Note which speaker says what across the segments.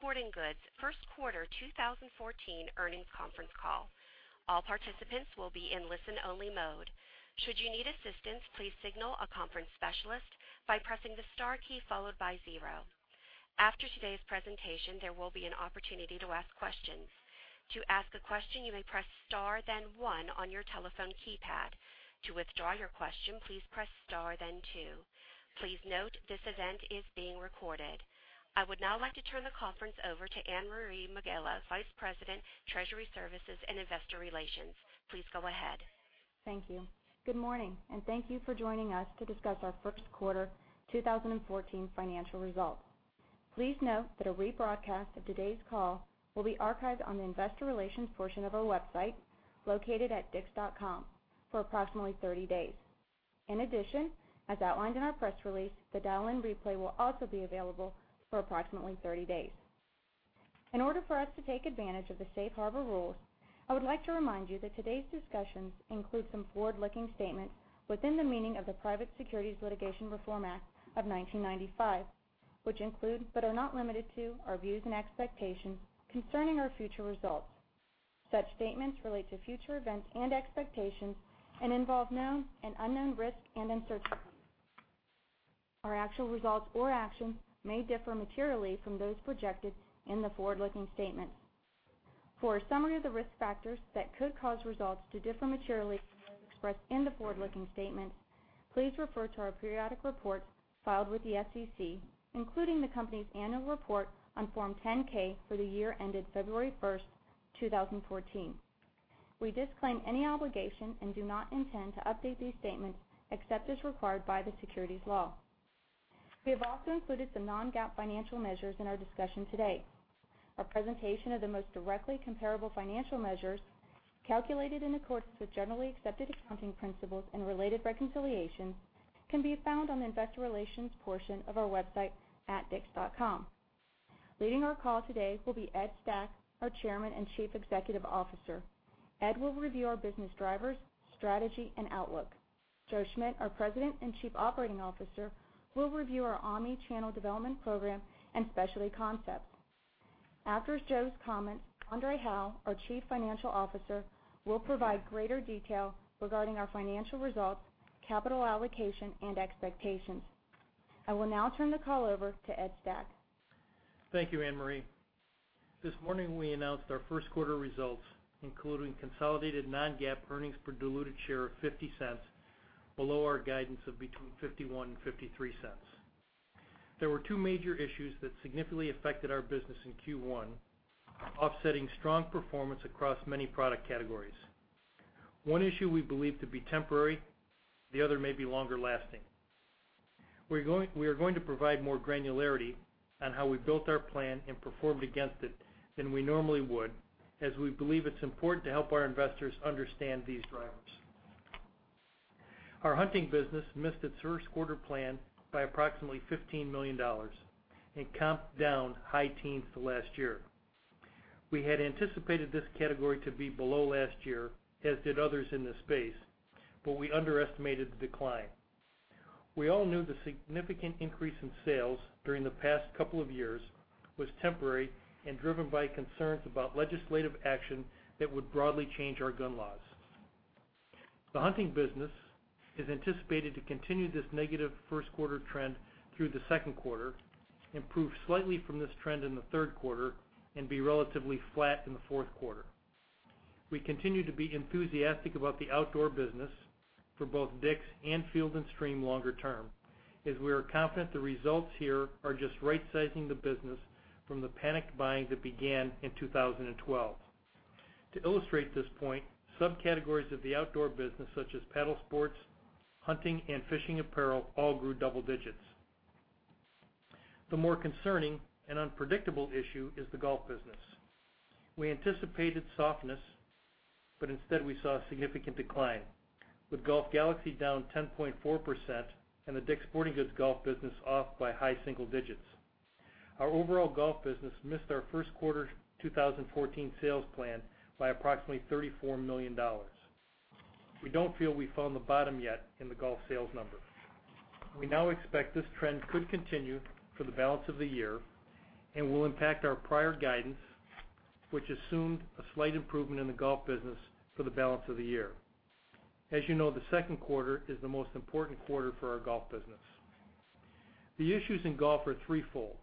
Speaker 1: DICK’S Sporting Goods first quarter 2014 earnings conference call. All participants will be in listen-only mode. Should you need assistance, please signal a conference specialist by pressing the star key followed by zero. After today's presentation, there will be an opportunity to ask questions. To ask a question, you may press star, then one on your telephone keypad. To withdraw your question, please press star, then two. Please note this event is being recorded. I would now like to turn the conference over to Anne Marie McGlone, Vice President, Treasury Services and Investor Relations. Please go ahead.
Speaker 2: Thank you. Good morning. Thank you for joining us to discuss our first quarter 2014 financial results. Please note that a rebroadcast of today's call will be archived on the investor relations portion of our website, located at dicks.com, for approximately 30 days. In addition, as outlined in our press release, the dial-in replay will also be available for approximately 30 days. In order for us to take advantage of the safe harbor rules, I would like to remind you that today's discussions include some forward-looking statements within the meaning of the Private Securities Litigation Reform Act of 1995, which include, but are not limited to, our views and expectations concerning our future results. Such statements relate to future events and expectations and involve known and unknown risks and uncertainties. Our actual results or actions may differ materially from those projected in the forward-looking statements. For a summary of the risk factors that could cause results to differ materially from those expressed in the forward-looking statements, please refer to our periodic reports filed with the SEC, including the company's annual report on Form 10-K for the year ended February 1st, 2014. We disclaim any obligation and do not intend to update these statements except as required by the securities law. We have also included some non-GAAP financial measures in our discussion today. Our presentation of the most directly comparable financial measures, calculated in accordance with generally accepted accounting principles and related reconciliations, can be found on the investor relations portion of our website at dicks.com. Leading our call today will be Ed Stack, our Chairman and Chief Executive Officer. Ed will review our business drivers, strategy, and outlook. Joe Schmidt, our President and Chief Operating Officer, will review our omnichannel development program and specialty concepts. After Joe's comments, André Hawaux, our Chief Financial Officer, will provide greater detail regarding our financial results, capital allocation, and expectations. I will now turn the call over to Ed Stack.
Speaker 3: Thank you, Anne Marie. This morning, we announced our first quarter results, including consolidated non-GAAP earnings per diluted share of $0.50, below our guidance of between $0.51 and $0.53. There were two major issues that significantly affected our business in Q1, offsetting strong performance across many product categories. One issue we believe to be temporary, the other may be longer lasting. We are going to provide more granularity on how we built our plan and performed against it than we normally would, as we believe it's important to help our investors understand these drivers. Our hunting business missed its first quarter plan by approximately $15 million and comp down high teens to last year. We had anticipated this category to be below last year, as did others in this space, but we underestimated the decline. We all knew the significant increase in sales during the past couple of years was temporary and driven by concerns about legislative action that would broadly change our gun laws. The hunting business is anticipated to continue this negative first quarter trend through the second quarter, improve slightly from this trend in the third quarter, and be relatively flat in the fourth quarter. We continue to be enthusiastic about the outdoor business for both DICK'S and Field & Stream longer term, as we are confident the results here are just right-sizing the business from the panicked buying that began in 2012. To illustrate this point, subcategories of the outdoor business such as paddle sports, hunting, and fishing apparel all grew double digits. The more concerning and unpredictable issue is the golf business. We anticipated softness, but instead we saw a significant decline, with Golf Galaxy down 10.4% and the DICK'S Sporting Goods golf business off by high single digits. Our overall golf business missed our first quarter 2014 sales plan by approximately $34 million. We don't feel we've found the bottom yet in the golf sales numbers. We now expect this trend could continue for the balance of the year and will impact our prior guidance, which assumed a slight improvement in the golf business for the balance of the year. As you know, the second quarter is the most important quarter for our golf business. The issues in golf are threefold.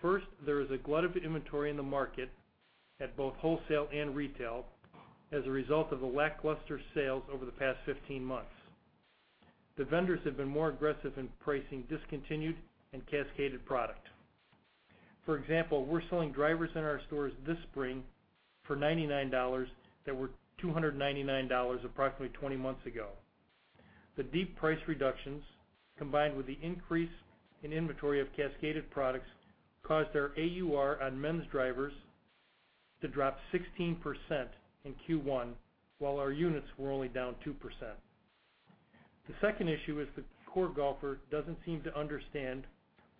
Speaker 3: First, there is a glut of inventory in the market at both wholesale and retail as a result of the lackluster sales over the past 15 months. The vendors have been more aggressive in pricing discontinued and cascaded product. For example, we're selling drivers in our stores this spring for $99 that were $299 approximately 20 months ago. The deep price reductions, combined with the increase in inventory of cascaded products, caused our AUR on men's drivers to drop 16% in Q1, while our units were only down 2%. The second issue is the core golfer doesn't seem to understand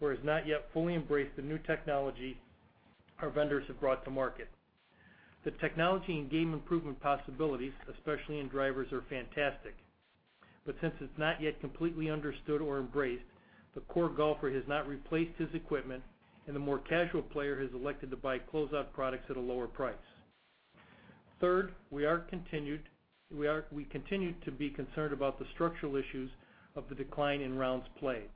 Speaker 3: or has not yet fully embraced the new technology our vendors have brought to market. The technology and game improvement possibilities, especially in drivers, are fantastic. Since it's not yet completely understood or embraced, the core golfer has not replaced his equipment, and the more casual player has elected to buy closeout products at a lower price. Third, we continue to be concerned about the structural issues of the decline in rounds played.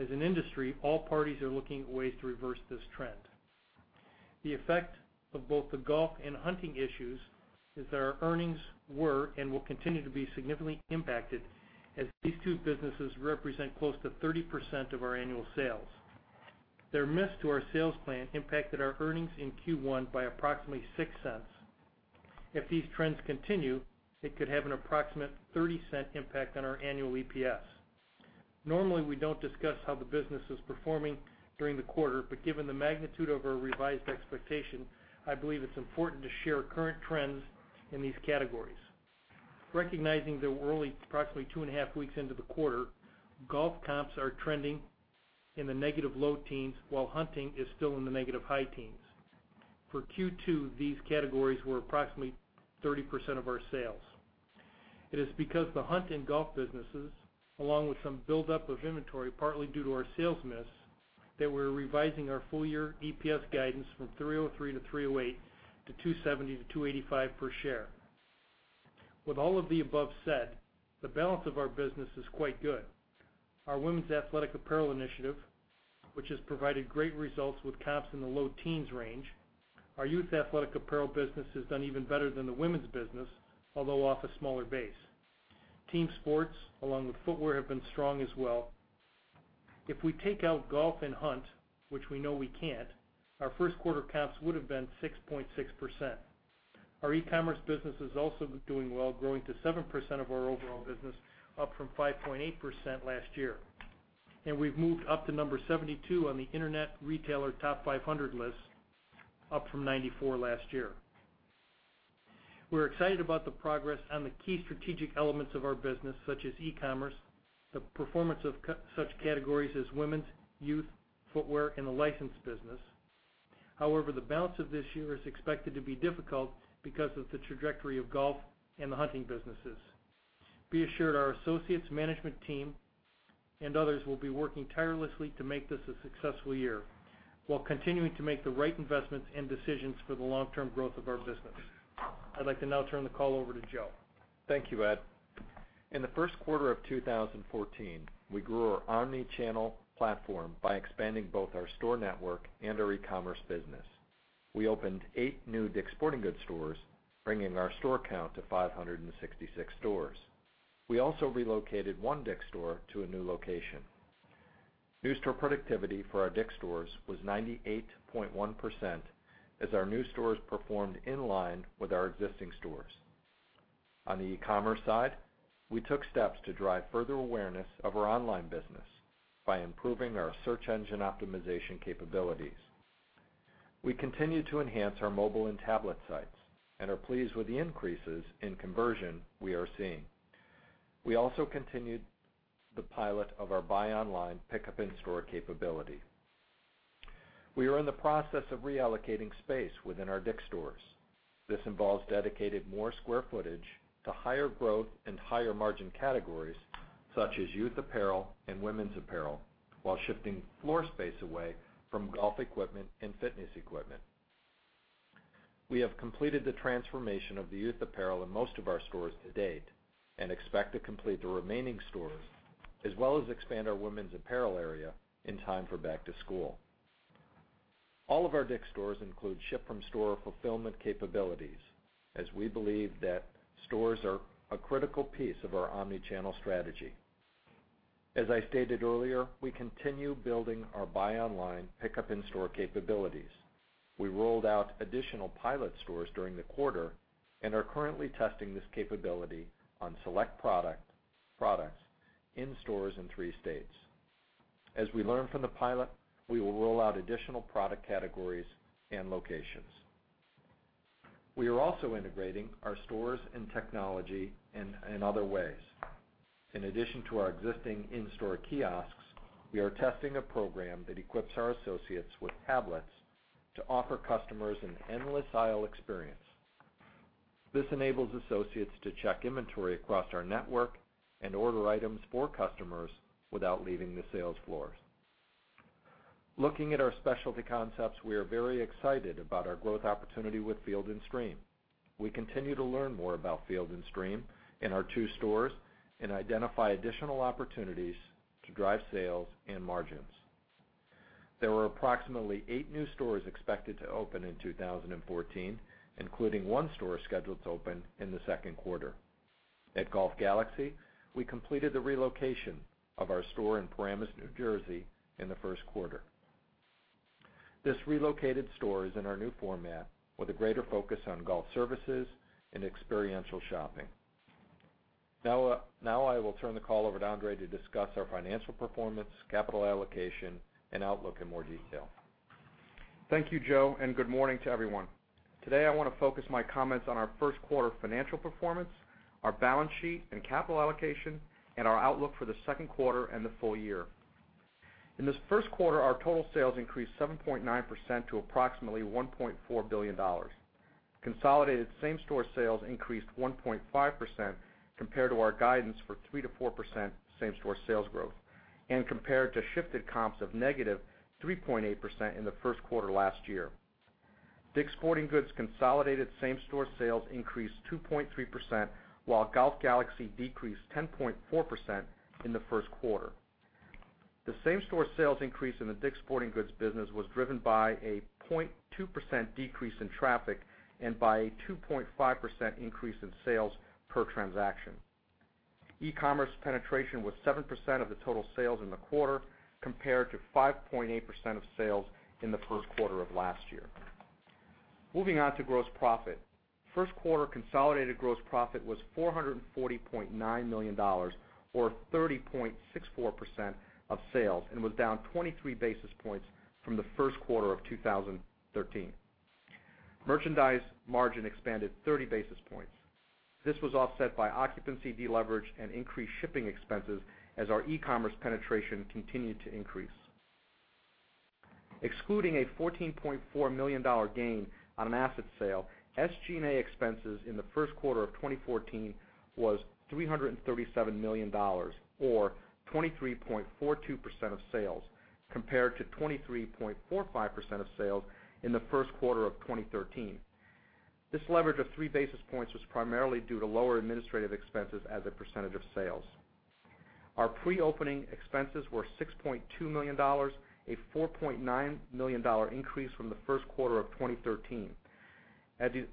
Speaker 3: As an industry, all parties are looking at ways to reverse this trend. The effect of both the golf and hunting issues is that our earnings were and will continue to be significantly impacted as these two businesses represent close to 30% of our annual sales. Their miss to our sales plan impacted our earnings in Q1 by approximately $0.06. If these trends continue, it could have an approximate $0.30 impact on our annual EPS. Normally, we don't discuss how the business is performing during the quarter, but given the magnitude of our revised expectation, I believe it's important to share current trends in these categories. Recognizing that we're only approximately two and a half weeks into the quarter, golf comps are trending in the negative low teens, while hunting is still in the negative high teens. For Q2, these categories were approximately 30% of our sales. It is because the hunt and golf businesses, along with some buildup of inventory, partly due to our sales miss, that we're revising our full-year EPS guidance from $3.03-$3.08 to $2.70-$2.85 per share. With all of the above said, the balance of our business is quite good. Our women's athletic apparel initiative, which has provided great results with comps in the low teens range. Our youth athletic apparel business has done even better than the women's business, although off a smaller base. Team sports, along with footwear, have been strong as well. If we take out golf and hunt, which we know we can't, our first quarter comps would have been 6.6%. Our e-commerce business is also doing well, growing to 7% of our overall business, up from 5.8% last year. We've moved up to number 72 on the Internet Retailer Top 500 list, up from 94 last year. We're excited about the progress on the key strategic elements of our business, such as e-commerce, the performance of such categories as women's, youth, footwear, and the licensed business. However, the balance of this year is expected to be difficult because of the trajectory of golf and the hunting businesses. Be assured our associates, management team, and others will be working tirelessly to make this a successful year while continuing to make the right investments and decisions for the long-term growth of our business. I'd like to now turn the call over to Joe.
Speaker 4: Thank you, Ed. In the first quarter of 2014, we grew our omnichannel platform by expanding both our store network and our e-commerce business. We opened eight new DICK'S Sporting Goods stores, bringing our store count to 566 stores. We also relocated one DICK'S store to a new location. New store productivity for our DICK'S stores was 98.1%, as our new stores performed in line with our existing stores. On the e-commerce side, we took steps to drive further awareness of our online business by improving our search engine optimization capabilities. We continue to enhance our mobile and tablet sites and are pleased with the increases in conversion we are seeing. We also continued the pilot of our buy online, pickup in store capability. We are in the process of reallocating space within our DICK'S stores. This involves dedicating more square footage to higher growth and higher margin categories such as youth apparel and women's apparel, while shifting floor space away from golf equipment and fitness equipment. We have completed the transformation of the youth apparel in most of our stores to date and expect to complete the remaining stores, as well as expand our women's apparel area in time for back to school. All of our DICK'S stores include ship from store fulfillment capabilities, as we believe that stores are a critical piece of our omnichannel strategy. As I stated earlier, we continue building our buy online, pickup in store capabilities. We rolled out additional pilot stores during the quarter and are currently testing this capability on select products in stores in three states. As we learn from the pilot, we will roll out additional product categories and locations. We are also integrating our stores and technology in other ways. In addition to our existing in-store kiosks, we are testing a program that equips our associates with tablets to offer customers an endless aisle experience. This enables associates to check inventory across our network and order items for customers without leaving the sales floors. Looking at our specialty concepts, we are very excited about our growth opportunity with Field & Stream. We continue to learn more about Field & Stream in our two stores and identify additional opportunities to drive sales and margins. There were approximately eight new stores expected to open in 2014, including one store scheduled to open in the second quarter. At Golf Galaxy, we completed the relocation of our store in Paramus, New Jersey, in the first quarter. This relocated store is in our new format with a greater focus on golf services and experiential shopping. I will turn the call over to André to discuss our financial performance, capital allocation, and outlook in more detail.
Speaker 5: Thank you, Joe, and good morning to everyone. I want to focus my comments on our first quarter financial performance, our balance sheet and capital allocation, and our outlook for the second quarter and the full year. In this first quarter, our total sales increased 7.9% to approximately $1.4 billion. Consolidated same-store sales increased 1.5% compared to our guidance for 3%-4% same-store sales growth, and compared to shifted comps of -3.8% in the first quarter last year. DICK'S Sporting Goods' consolidated same-store sales increased 2.3%, while Golf Galaxy decreased 10.4% in the first quarter. The same-store sales increase in the DICK'S Sporting Goods business was driven by a 0.2% decrease in traffic and by a 2.5% increase in sales per transaction. e-commerce penetration was 7% of the total sales in the quarter, compared to 5.8% of sales in the first quarter of last year. Moving on to gross profit. First quarter consolidated gross profit was $440.9 million, or 30.64% of sales, and was down 23 basis points from the first quarter of 2013. Merchandise margin expanded 30 basis points. This was offset by occupancy deleverage and increased shipping expenses as our e-commerce penetration continued to increase. Excluding a $14.4 million gain on an asset sale, SG&A expenses in the first quarter of 2014 was $337 million, or 23.42% of sales, compared to 23.45% of sales in the first quarter of 2013. This leverage of three basis points was primarily due to lower administrative expenses as a percentage of sales. Our pre-opening expenses were $6.2 million, a $4.9 million increase from the first quarter of 2013.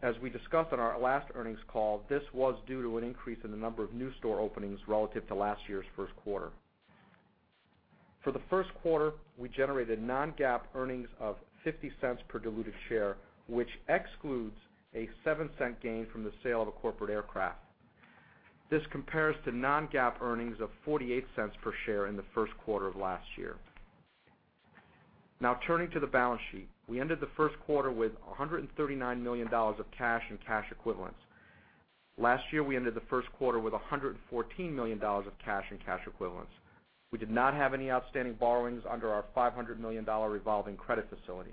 Speaker 5: As we discussed on our last earnings call, this was due to an increase in the number of new store openings relative to last year's first quarter. For the first quarter, we generated non-GAAP earnings of $0.50 per diluted share, which excludes a $0.07 gain from the sale of a corporate aircraft. This compares to non-GAAP earnings of $0.48 per share in the first quarter of last year. Turning to the balance sheet. We ended the first quarter with $139 million of cash and cash equivalents. Last year, we ended the first quarter with $114 million of cash and cash equivalents. We did not have any outstanding borrowings under our $500 million revolving credit facility.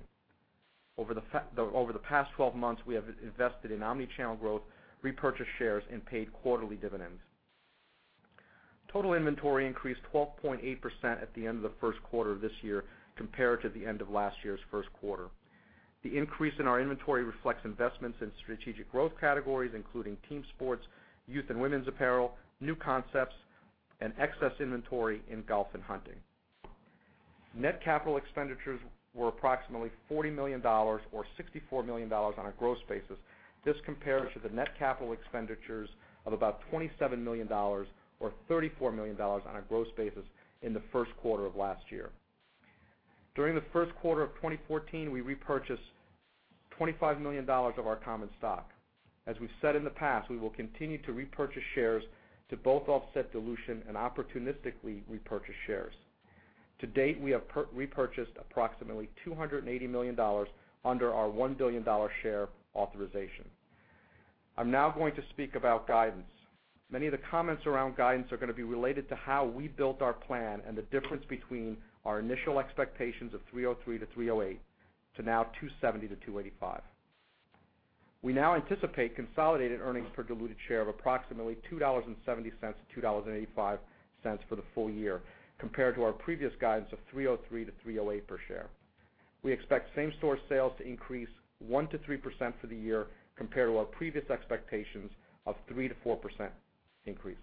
Speaker 5: Over the past 12 months, we have invested in omnichannel growth, repurchased shares, and paid quarterly dividends. Total inventory increased 12.8% at the end of the first quarter of this year compared to the end of last year's first quarter. The increase in our inventory reflects investments in strategic growth categories, including team sports, youth and women's apparel, new concepts, and excess inventory in golf and hunting. Net capital expenditures were approximately $40 million, or $64 million on a gross basis. This compares to the net capital expenditures of about $27 million, or $34 million on a gross basis, in the first quarter of last year. During the first quarter of 2014, we repurchased $25 million of our common stock. As we've said in the past, we will continue to repurchase shares to both offset dilution and opportunistically repurchase shares. To date, we have repurchased approximately $280 million under our $1 billion share authorization. I'm now going to speak about guidance. Many of the comments around guidance are going to be related to how we built our plan and the difference between our initial expectations of $3.03-$3.08 to now $2.70-$2.85. We now anticipate consolidated earnings per diluted share of approximately $2.70-$2.85 for the full year, compared to our previous guidance of $3.03-$3.08 per share. We expect same-store sales to increase 1%-3% for the year, compared to our previous expectations of 3%-4% increase.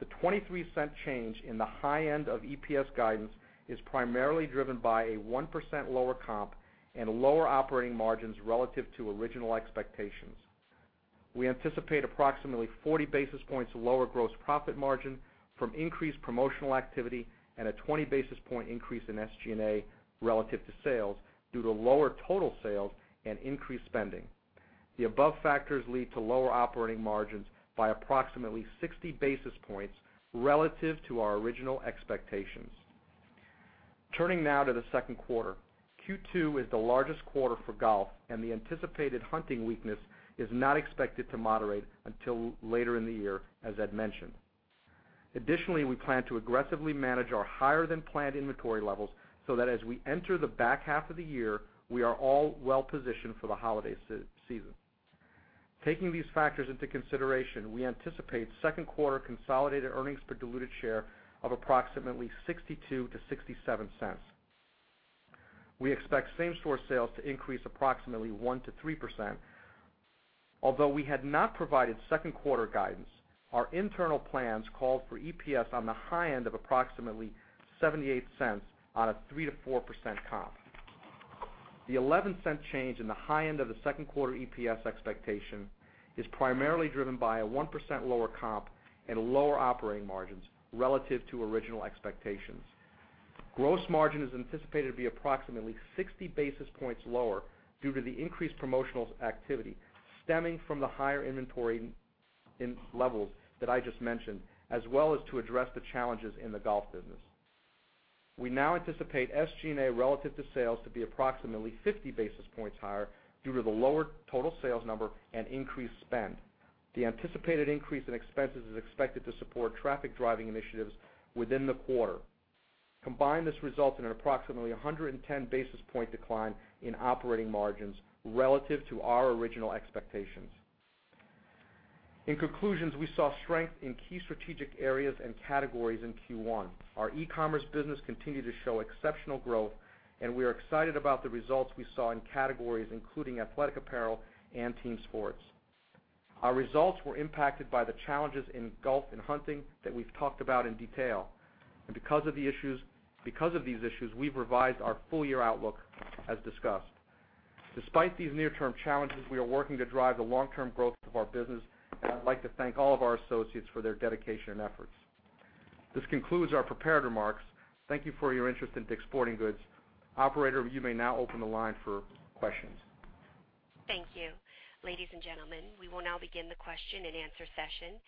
Speaker 5: The $0.23 change in the high end of EPS guidance is primarily driven by a 1% lower comp and lower operating margins relative to original expectations. We anticipate approximately 40 basis points lower gross profit margin from increased promotional activity and a 20 basis point increase in SG&A relative to sales due to lower total sales and increased spending. The above factors lead to lower operating margins by approximately 60 basis points relative to our original expectations. Turning now to the second quarter. Q2 is the largest quarter for golf, and the anticipated hunting weakness is not expected to moderate until later in the year, as Ed mentioned. Additionally, we plan to aggressively manage our higher-than-planned inventory levels so that as we enter the back half of the year, we are all well-positioned for the holiday season. Taking these factors into consideration, we anticipate second quarter consolidated earnings per diluted share of approximately $0.62 to $0.67. We expect same-store sales to increase approximately 1% to 3%. Although we had not provided second quarter guidance, our internal plans call for EPS on the high end of approximately $0.78 on a 3% to 4% comp. The $0.11 change in the high end of the second quarter EPS expectation is primarily driven by a 1% lower comp and lower operating margins relative to original expectations. Gross margin is anticipated to be approximately 60 basis points lower due to the increased promotional activity stemming from the higher inventory levels that I just mentioned, as well as to address the challenges in the golf business. We now anticipate SG&A relative to sales to be approximately 50 basis points higher due to the lower total sales number and increased spend. The anticipated increase in expenses is expected to support traffic-driving initiatives within the quarter. Combined, this results in an approximately 110 basis point decline in operating margins relative to our original expectations. In conclusion, we saw strength in key strategic areas and categories in Q1. Our e-commerce business continued to show exceptional growth, and we are excited about the results we saw in categories including athletic apparel and team sports. Our results were impacted by the challenges in golf and hunting that we've talked about in detail. Because of these issues, we've revised our full-year outlook as discussed. Despite these near-term challenges, we are working to drive the long-term growth of our business, and I'd like to thank all of our associates for their dedication and efforts. This concludes our prepared remarks. Thank you for your interest in DICK'S Sporting Goods. Operator, you may now open the line for questions.
Speaker 1: Thank you. Ladies and gentlemen, we will now begin the question and answer session.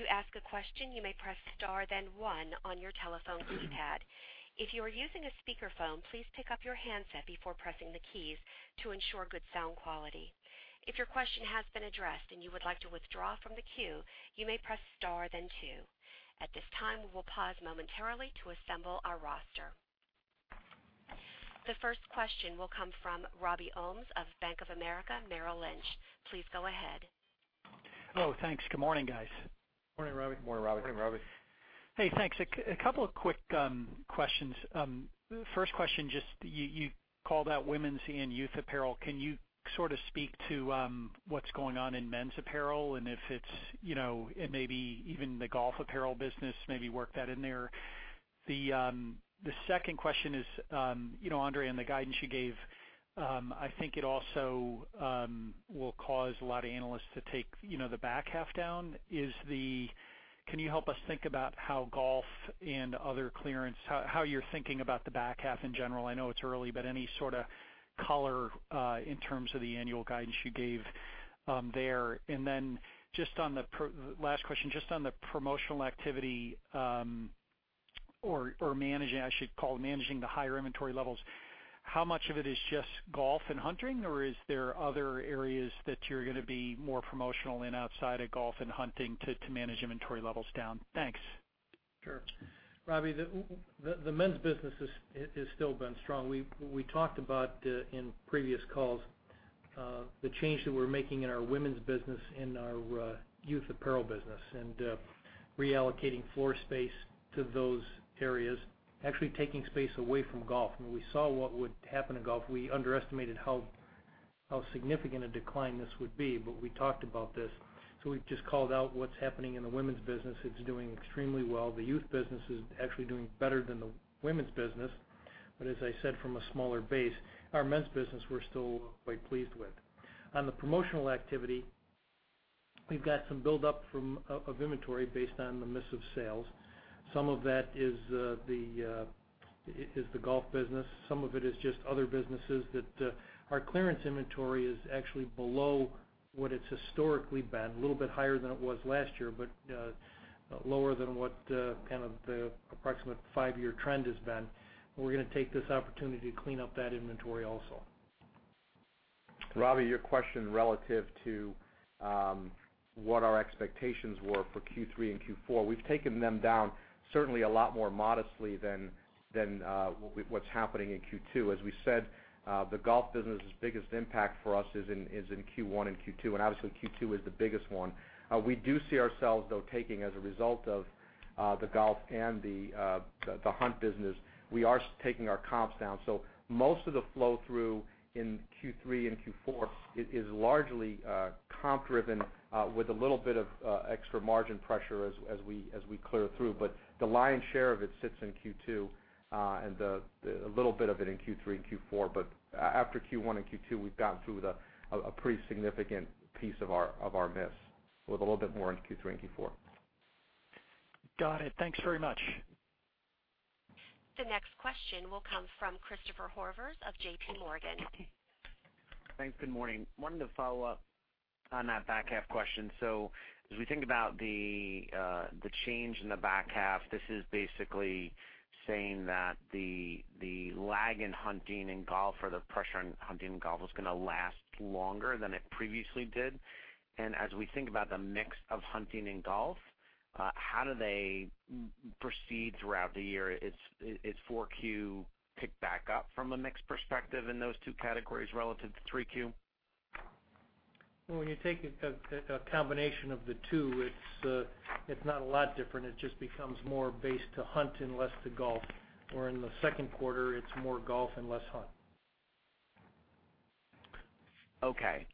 Speaker 1: To ask a question, you may press star then one on your telephone keypad. If you are using a speakerphone, please pick up your handset before pressing the keys to ensure good sound quality. If your question has been addressed and you would like to withdraw from the queue, you may press star then two. At this time, we will pause momentarily to assemble our roster. The first question will come from Robert Ohmes of Bank of America Merrill Lynch. Please go ahead.
Speaker 6: Oh, thanks. Good morning, guys.
Speaker 4: Morning, Robbie.
Speaker 5: Morning, Robbie.
Speaker 3: Hey, Robbie.
Speaker 6: Hey, thanks. A couple of quick questions. First question, just you called out women's and youth apparel. Can you sort of speak to what's going on in men's apparel? If maybe even the golf apparel business, maybe work that in there. The second question is, André, in the guidance you gave, I think it also will cause a lot of analysts to take the back half down. Can you help us think about how golf and other clearance, how you're thinking about the back half in general? I know it's early, but any sort of color in terms of the annual guidance you gave there. Last question, just on the promotional activity or managing, I should call it managing the higher inventory levels. How much of it is just golf and hunting, or is there other areas that you're going to be more promotional in outside of golf and hunting to manage inventory levels down? Thanks.
Speaker 3: Sure. Robbie, the men's business has still been strong. We talked about, in previous calls, the change that we're making in our women's business and our youth apparel business, and reallocating floor space to those areas, actually taking space away from golf. When we saw what would happen in golf, we underestimated how significant a decline this would be, but we talked about this. We've just called out what's happening in the women's business. It's doing extremely well. The youth business is actually doing better than the women's business. As I said, from a smaller base. Our men's business, we're still quite pleased with. On the promotional activity, we've got some build-up of inventory based on the miss of sales. Some of that is the golf business. Some of it is just other businesses that our clearance inventory is actually below what it's historically been, a little bit higher than it was last year, but lower than what the approximate five-year trend has been. We're going to take this opportunity to clean up that inventory also.
Speaker 5: Robbie, your question relative to what our expectations were for Q3 and Q4. We've taken them down certainly a lot more modestly than what's happening in Q2. As we said, the golf business' biggest impact for us is in Q1 and Q2, and obviously, Q2 is the biggest one. We do see ourselves, though, taking as a result of the golf and the hunt business, we are taking our comps down. Most of the flow-through in Q3 and Q4 is largely comp-driven with a little bit of extra margin pressure as we clear through. The lion's share of it sits in Q2, and a little bit of it in Q3 and Q4. After Q1 and Q2, we've gotten through a pretty significant piece of our miss with a little bit more in Q3 and Q4.
Speaker 6: Got it. Thanks very much.
Speaker 1: The next question will come from Christopher Horvers of JPMorgan.
Speaker 7: Thanks. Good morning. Wanted to follow up on that back half question. As we think about the change in the back half, this is basically saying that the lag in hunting and golf, or the pressure on hunting and golf, was going to last longer than it previously did. As we think about the mix of hunting and golf, how do they proceed throughout the year? Is 4Q pick back up from a mix perspective in those two categories relative to 3Q?
Speaker 3: When you take a combination of the two, it's not a lot different. It just becomes more based to hunt and less to golf, where in the second quarter it's more golf and less hunt.
Speaker 7: Okay.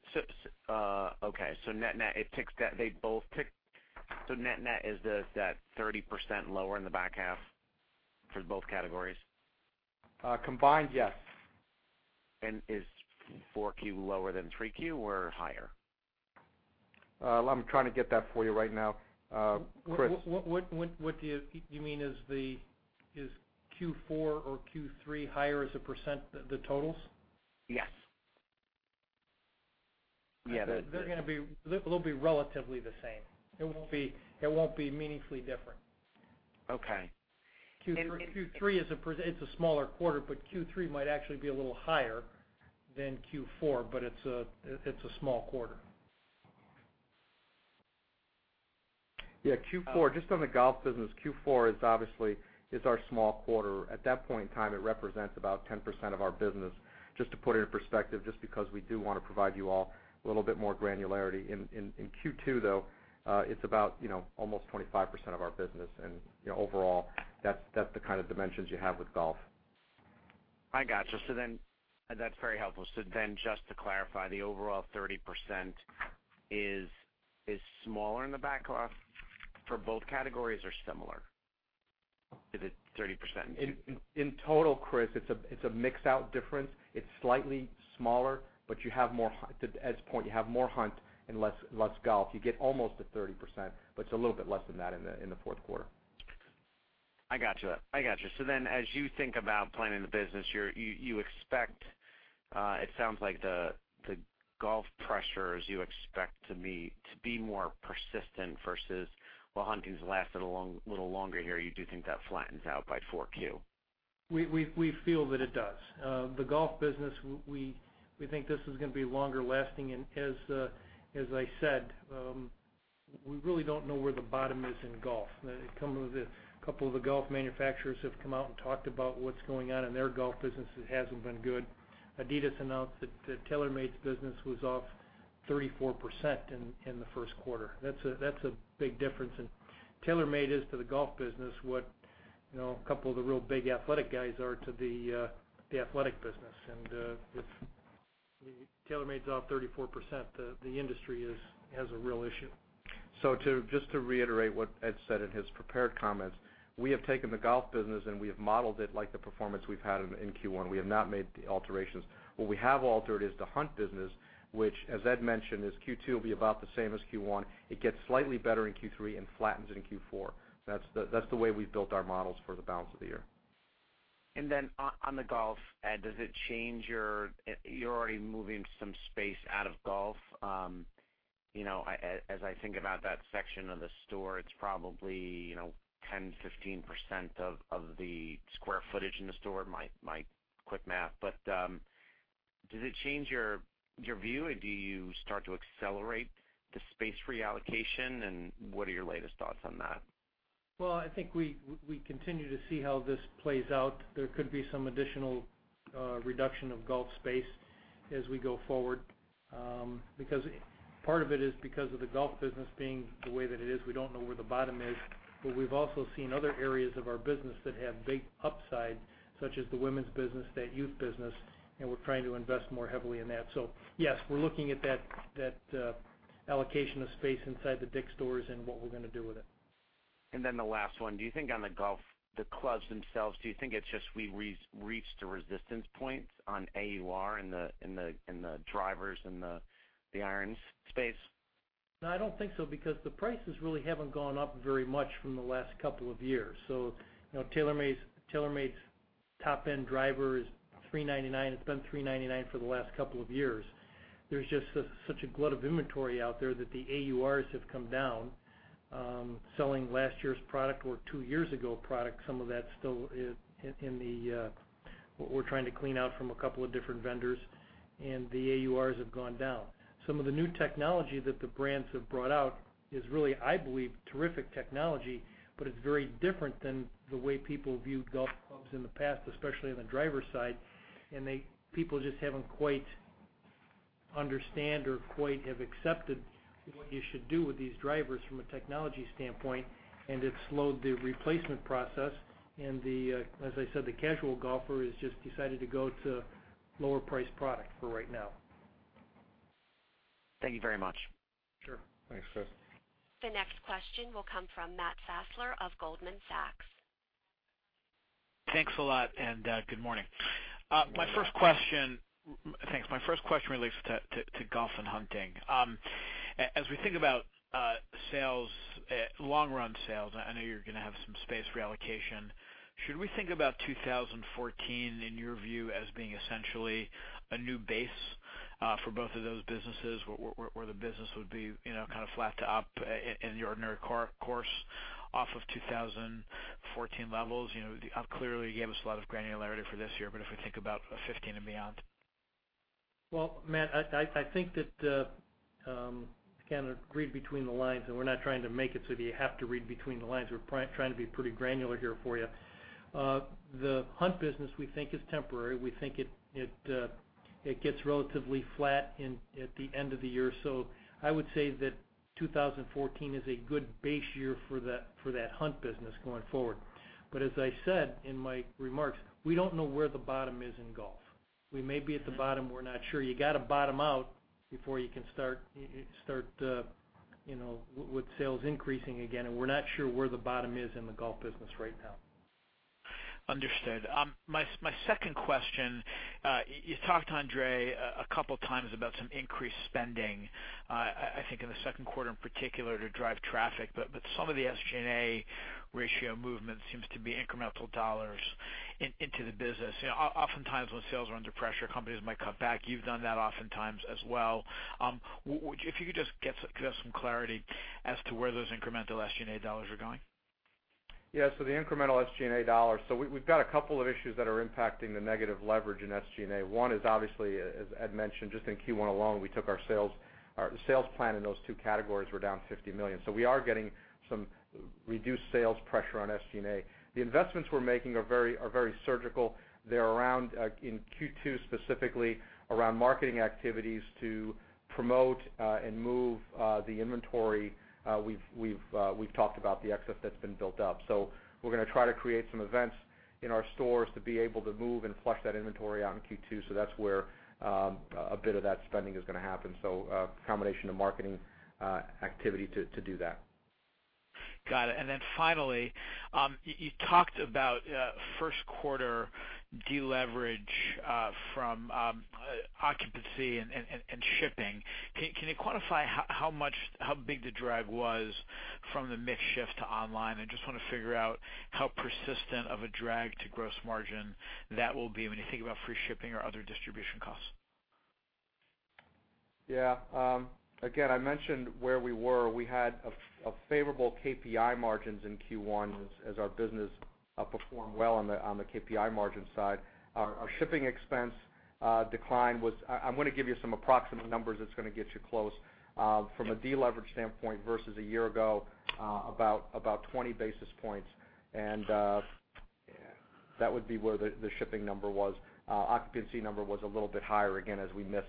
Speaker 7: Net is that 30% lower in the back half for both categories?
Speaker 3: Combined, yes.
Speaker 7: Is 4Q lower than 3Q or higher?
Speaker 5: I'm trying to get that for you right now, Chris.
Speaker 3: What do you mean is Q4 or Q3 higher as a %, the totals?
Speaker 7: Yes. Yeah.
Speaker 3: They'll be relatively the same. It won't be meaningfully different.
Speaker 7: Okay.
Speaker 3: Q3 is a smaller quarter, but Q3 might actually be a little higher than Q4, but it's a small quarter.
Speaker 5: Yeah, just on the golf business, Q4 is obviously our small quarter. At that point in time, it represents about 10% of our business, just to put it in perspective, just because we do want to provide you all a little bit more granularity. In Q2, though, it's about almost 25% of our business, and overall, that's the kind of dimensions you have with golf.
Speaker 7: I got you. That's very helpful. Just to clarify, the overall 30% is smaller in the back half for both categories, or similar? Is it 30%?
Speaker 5: In total, Chris, it's a mix-out difference. It's slightly smaller, but to Ed's point, you have more hunt and less golf. You get almost to 30%, but it's a little bit less than that in the fourth quarter.
Speaker 7: I got you. As you think about planning the business, it sounds like the golf pressures you expect to be more persistent versus while hunting's lasted a little longer here, you do think that flattens out by 4Q.
Speaker 3: We feel that it does. The golf business, we think this is going to be longer lasting, as I said, we really don't know where the bottom is in golf. A couple of the golf manufacturers have come out and talked about what's going on in their golf business. It hasn't been good. Adidas announced that TaylorMade's business was off 34% in the first quarter. That's a big difference. TaylorMade is to the golf business what a couple of the real big athletic guys are to the athletic business. If TaylorMade's off 34%, the industry has a real issue.
Speaker 5: Just to reiterate what Ed said in his prepared comments, we have taken the golf business and we have modeled it like the performance we've had in Q1. We have not made the alterations. What we have altered is the hunt business, which, as Ed mentioned, Q2 will be about the same as Q1. It gets slightly better in Q3 and flattens in Q4. That's the way we've built our models for the balance of the year.
Speaker 7: On the golf, Ed, you're already moving some space out of golf. As I think about that section of the store, it's probably 10%-15% of the square footage in the store, my quick math. Does it change your view, or do you start to accelerate the space reallocation, and what are your latest thoughts on that?
Speaker 3: I think we continue to see how this plays out. There could be some additional reduction of golf space as we go forward. Part of it is because of the golf business being the way that it is. We don't know where the bottom is. We've also seen other areas of our business that have big upside, such as the women's business, that youth business, and we're trying to invest more heavily in that. Yes, we're looking at that allocation of space inside the DICK'S stores and what we're going to do with it.
Speaker 7: The last one. Do you think on the golf, the clubs themselves, do you think it's just we've reached a resistance point on AUR in the drivers and the irons space?
Speaker 3: No, I don't think so because the prices really haven't gone up very much from the last couple of years. TaylorMade's top-end driver is $399. It's been $399 for the last couple of years. There's just such a glut of inventory out there that the AURs have come down. Selling last year's product or two years ago product, some of that still is in what we're trying to clean out from a couple of different vendors, and the AURs have gone down. Some of the new technology that the brands have brought out is really, I believe, terrific technology, but it's very different than the way people viewed golf clubs in the past, especially on the driver's side. People just haven't quite understand or quite have accepted what you should do with these drivers from a technology standpoint, and it slowed the replacement process. As I said, the casual golfer has just decided to go to lower priced product for right now.
Speaker 7: Thank you very much.
Speaker 3: Sure.
Speaker 5: Thanks, Chris.
Speaker 1: The next question will come from Matt Fassler of Goldman Sachs.
Speaker 8: Thanks a lot, good morning.
Speaker 5: Good morning.
Speaker 8: Thanks. My first question relates to golf and hunting. As we think about long-run sales, I know you're going to have some space reallocation. Should we think about 2014, in your view, as being essentially a new base for both of those businesses, where the business would be kind of flat to up in the ordinary course off of 2014 levels? Clearly, you gave us a lot of granularity for this year, but if we think about 2015 and beyond.
Speaker 3: Matt, I think that you kind of read between the lines, we're not trying to make it so that you have to read between the lines. We're trying to be pretty granular here for you. The hunt business, we think is temporary. We think it gets relatively flat at the end of the year. I would say that 2014 is a good base year for that hunt business going forward. As I said in my remarks, we don't know where the bottom is in golf. We may be at the bottom. We're not sure. You got to bottom out before you can start with sales increasing again, we're not sure where the bottom is in the golf business right now.
Speaker 8: Understood. My second question. You talked, André, a couple of times about some increased spending, I think in the second quarter in particular, to drive traffic. Some of the SG&A ratio movement seems to be incremental dollars into the business. Oftentimes, when sales are under pressure, companies might cut back. You've done that oftentimes as well. If you could just give us some clarity as to where those incremental SG&A dollars are going.
Speaker 5: Yeah. The incremental SG&A dollars. We've got a couple of issues that are impacting the negative leverage in SG&A. One is obviously, as Ed mentioned, just in Q1 alone, the sales plan in those two categories were down $50 million. We are getting some reduced sales pressure on SG&A. The investments we're making are very surgical. They're around, in Q2 specifically, around marketing activities to promote and move the inventory. We've talked about the excess that's been built up. We're going to try to create some events in our stores to be able to move and flush that inventory out in Q2. That's where a bit of that spending is going to happen. A combination of marketing activity to do that.
Speaker 8: Got it. Finally, you talked about first quarter deleverage from occupancy and shipping. Can you quantify how big the drag was from the mix shift to online? I just want to figure out how persistent of a drag to gross margin that will be when you think about free shipping or other distribution costs.
Speaker 5: Yeah. Again, I mentioned where we were. We had a favorable KPI margins in Q1 as our business performed well on the KPI margin side. Our shipping expense decline was. I'm going to give you some approximate numbers that's going to get you close. From a deleverage standpoint versus a year ago, about 20 basis points. That would be where the shipping number was. Occupancy number was a little bit higher, again, as we missed.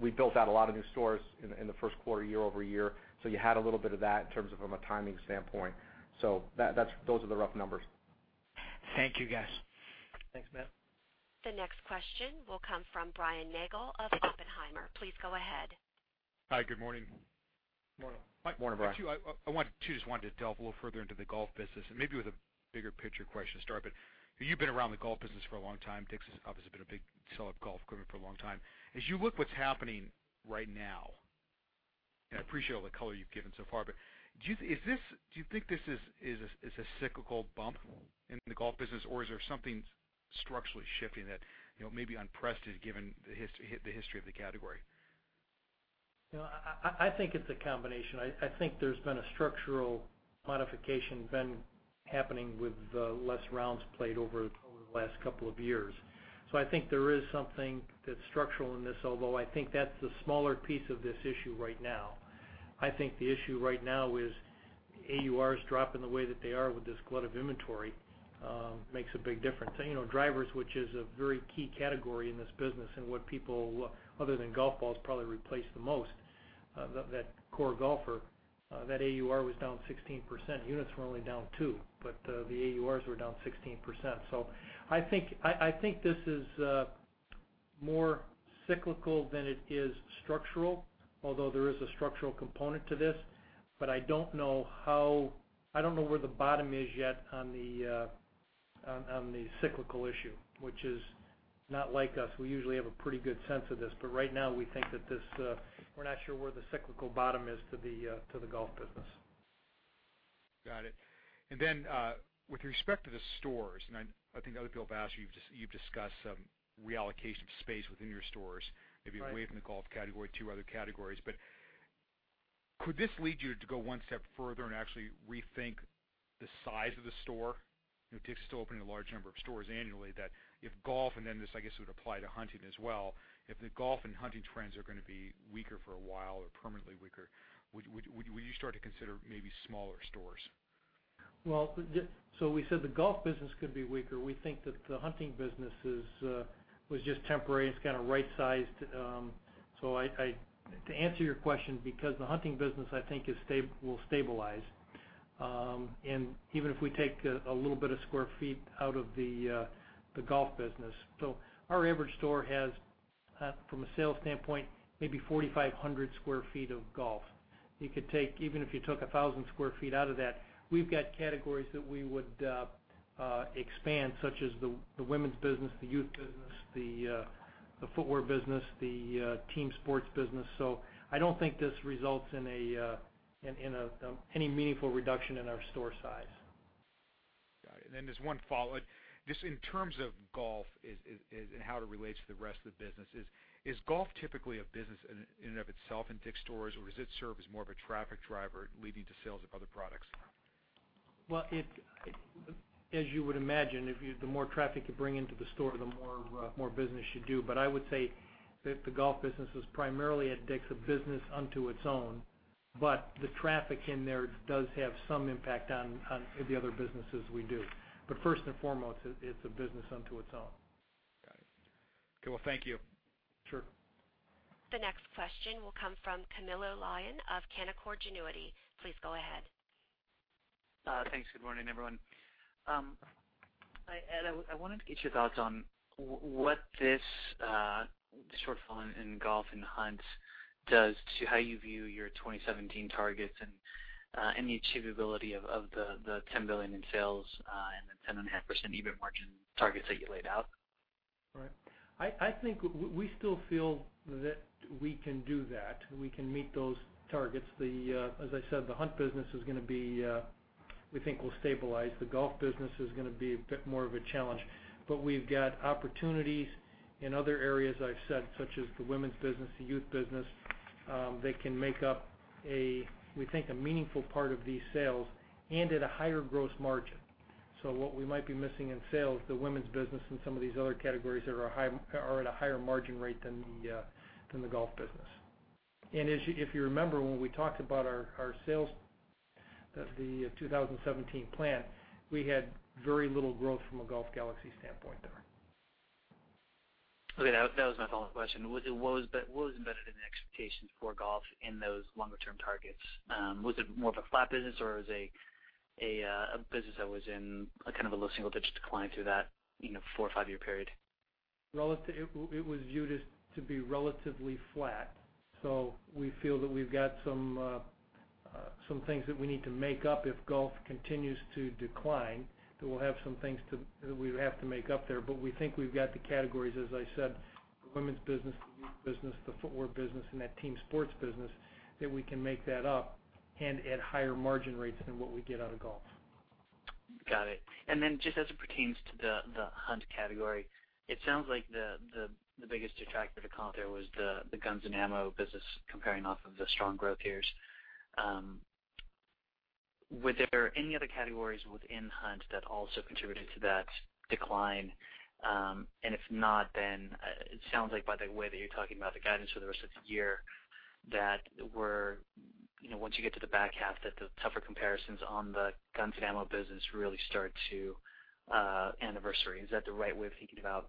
Speaker 5: We built out a lot of new stores in the first quarter year-over-year. You had a little bit of that in terms of from a timing standpoint. Those are the rough numbers.
Speaker 3: Thank you, guys.
Speaker 5: Thanks, Matt.
Speaker 1: The next question will come from Brian Nagel of Oppenheimer. Please go ahead.
Speaker 9: Hi. Good morning.
Speaker 5: Morning.
Speaker 3: Morning, Brian.
Speaker 9: I too just wanted to delve a little further into the golf business and maybe with a bigger picture question to start. You've been around the golf business for a long time. DICK'S has obviously been a big seller of golf equipment for a long time. As you look what's happening right now, I appreciate all the color you've given so far. Do you think this is a cyclical bump in the golf business, or is there something structurally shifting that may be unprecedented given the history of the category?
Speaker 3: I think it's a combination. I think there's been a structural modification been happening with less rounds played over the last 2 years. I think there is something that's structural in this, although I think that's the smaller piece of this issue right now. I think the issue right now is AURs dropping the way that they are with this glut of inventory makes a big difference. Drivers, which is a very key category in this business and what people, other than golf balls, probably replace the most, that core golfer, that AUR was down 16%. Units were only down 2. The AURs were down 16%. I think this is more cyclical than it is structural, although there is a structural component to this. I don't know where the bottom is yet on the cyclical issue, which is not like us. We usually have a pretty good sense of this. Right now we're not sure where the cyclical bottom is to the golf business.
Speaker 9: Got it. With respect to the stores, I think other people have asked you. You've discussed some reallocation of space within your stores, maybe away from the golf category to other categories. Could this lead you to go one step further and actually rethink the size of the store? DICK'S is still opening a large number of stores annually that if golf, this, I guess, would apply to hunting as well. If the golf and hunting trends are going to be weaker for a while or permanently weaker, would you start to consider maybe smaller stores?
Speaker 3: We said the golf business could be weaker. We think that the hunting business was just temporary. It's kind of right-sized. To answer your question, because the hunting business, I think, will stabilize, and even if we take a little bit of square feet out of the golf business. Our average store has, from a sales standpoint, maybe 4,500 square feet of golf. Even if you took 1,000 square feet out of that, we've got categories that we would expand, such as the women's business, the youth business, the footwear business, the team sports business. I don't think this results in any meaningful reduction in our store size.
Speaker 9: Got it. There's one follow. Just in terms of golf and how it relates to the rest of the business, is golf typically a business in and of itself in DICK'S stores, or does it serve as more of a traffic driver leading to sales of other products?
Speaker 3: As you would imagine, the more traffic you bring into the store, the more business you do. I would say that the golf business is primarily at DICK'S, a business unto its own, but the traffic in there does have some impact on the other businesses we do. First and foremost, it's a business unto its own.
Speaker 9: Got it. Okay. Thank you.
Speaker 3: Sure.
Speaker 1: The next question will come from Camilo Lyon of Canaccord Genuity. Please go ahead.
Speaker 10: Thanks. Good morning, everyone. Ed, I wanted to get your thoughts on what this shortfall in golf and hunt does to how you view your 2017 targets and the achievability of the $10 billion in sales and the 10.5% EBIT margin targets that you laid out.
Speaker 3: Right. I think we still feel that we can do that. We can meet those targets. As I said, the hunt business, we think will stabilize. The golf business is going to be a bit more of a challenge. We've got opportunities in other areas, I've said, such as the women's business, the youth business That can make up, we think, a meaningful part of these sales and at a higher gross margin. What we might be missing in sales, the women's business and some of these other categories are at a higher margin rate than the golf business. If you remember, when we talked about our sales, the 2017 plan, we had very little growth from a Golf Galaxy standpoint there.
Speaker 10: Okay. That was my follow-up question. What was embedded in the expectations for golf in those longer-term targets? Was it more of a flat business, or was it a business that was in a low single-digit decline through that four or five-year period?
Speaker 3: We feel that we've got some things that we need to make up if golf continues to decline. That we'll have some things that we would have to make up there. We think we've got the categories, as I said, the women's business, the youth business, the footwear business, and that team sports business, that we can make that up and at higher margin rates than what we get out of golf.
Speaker 10: Got it. Just as it pertains to the hunt category, it sounds like the biggest detractor to comp there was the guns and ammo business comparing off of the strong growth years. Were there any other categories within hunt that also contributed to that decline? It sounds like by the way that you're talking about the guidance for the rest of the year, that once you get to the back half, that the tougher comparisons on the guns and ammo business really start to anniversary. Is that the right way of thinking about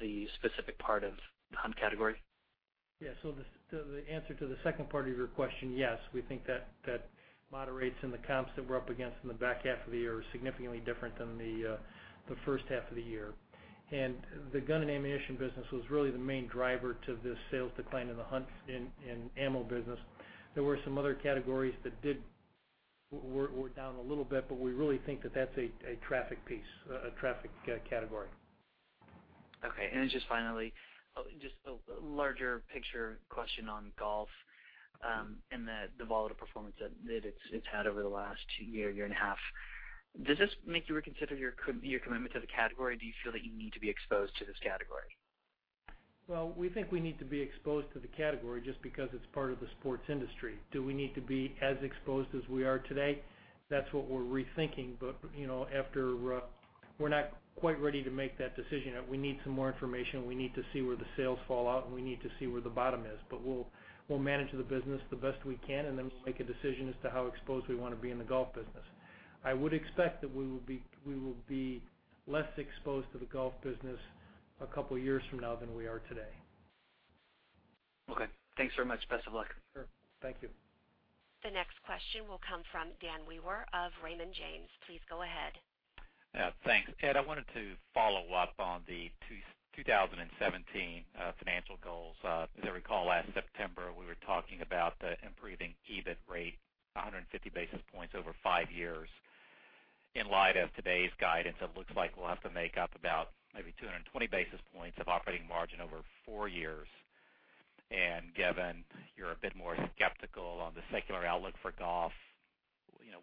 Speaker 10: the specific part of the hunt category?
Speaker 3: Yeah. The answer to the second part of your question, yes, we think that moderates in the comps that we're up against in the back half of the year are significantly different than the first half of the year. The gun and ammunition business was really the main driver to this sales decline in the hunt and ammo business. There were some other categories that were down a little bit, we really think that that's a traffic piece, a traffic category.
Speaker 10: Okay. Just finally, just a larger picture question on golf and the volatile performance that it's had over the last two year and a half. Does this make you reconsider your commitment to the category? Do you feel that you need to be exposed to this category?
Speaker 3: Well, we think we need to be exposed to the category just because it's part of the sports industry. Do we need to be as exposed as we are today? That's what we're rethinking. We're not quite ready to make that decision yet. We need some more information. We need to see where the sales fall out, and we need to see where the bottom is. We'll manage the business the best we can, and then we'll make a decision as to how exposed we want to be in the golf business. I would expect that we will be less exposed to the golf business a couple of years from now than we are today.
Speaker 10: Okay. Thanks very much. Best of luck.
Speaker 3: Sure. Thank you.
Speaker 1: The next question will come from Dan Wewer of Raymond James. Please go ahead.
Speaker 11: Thanks. Ed, I wanted to follow up on the 2017 financial goals. As I recall, last September, we were talking about the improving EBIT rate, 150 basis points over five years. In light of today's guidance, it looks like we'll have to make up about maybe 220 basis points of operating margin over four years. Given you're a bit more skeptical on the secular outlook for golf,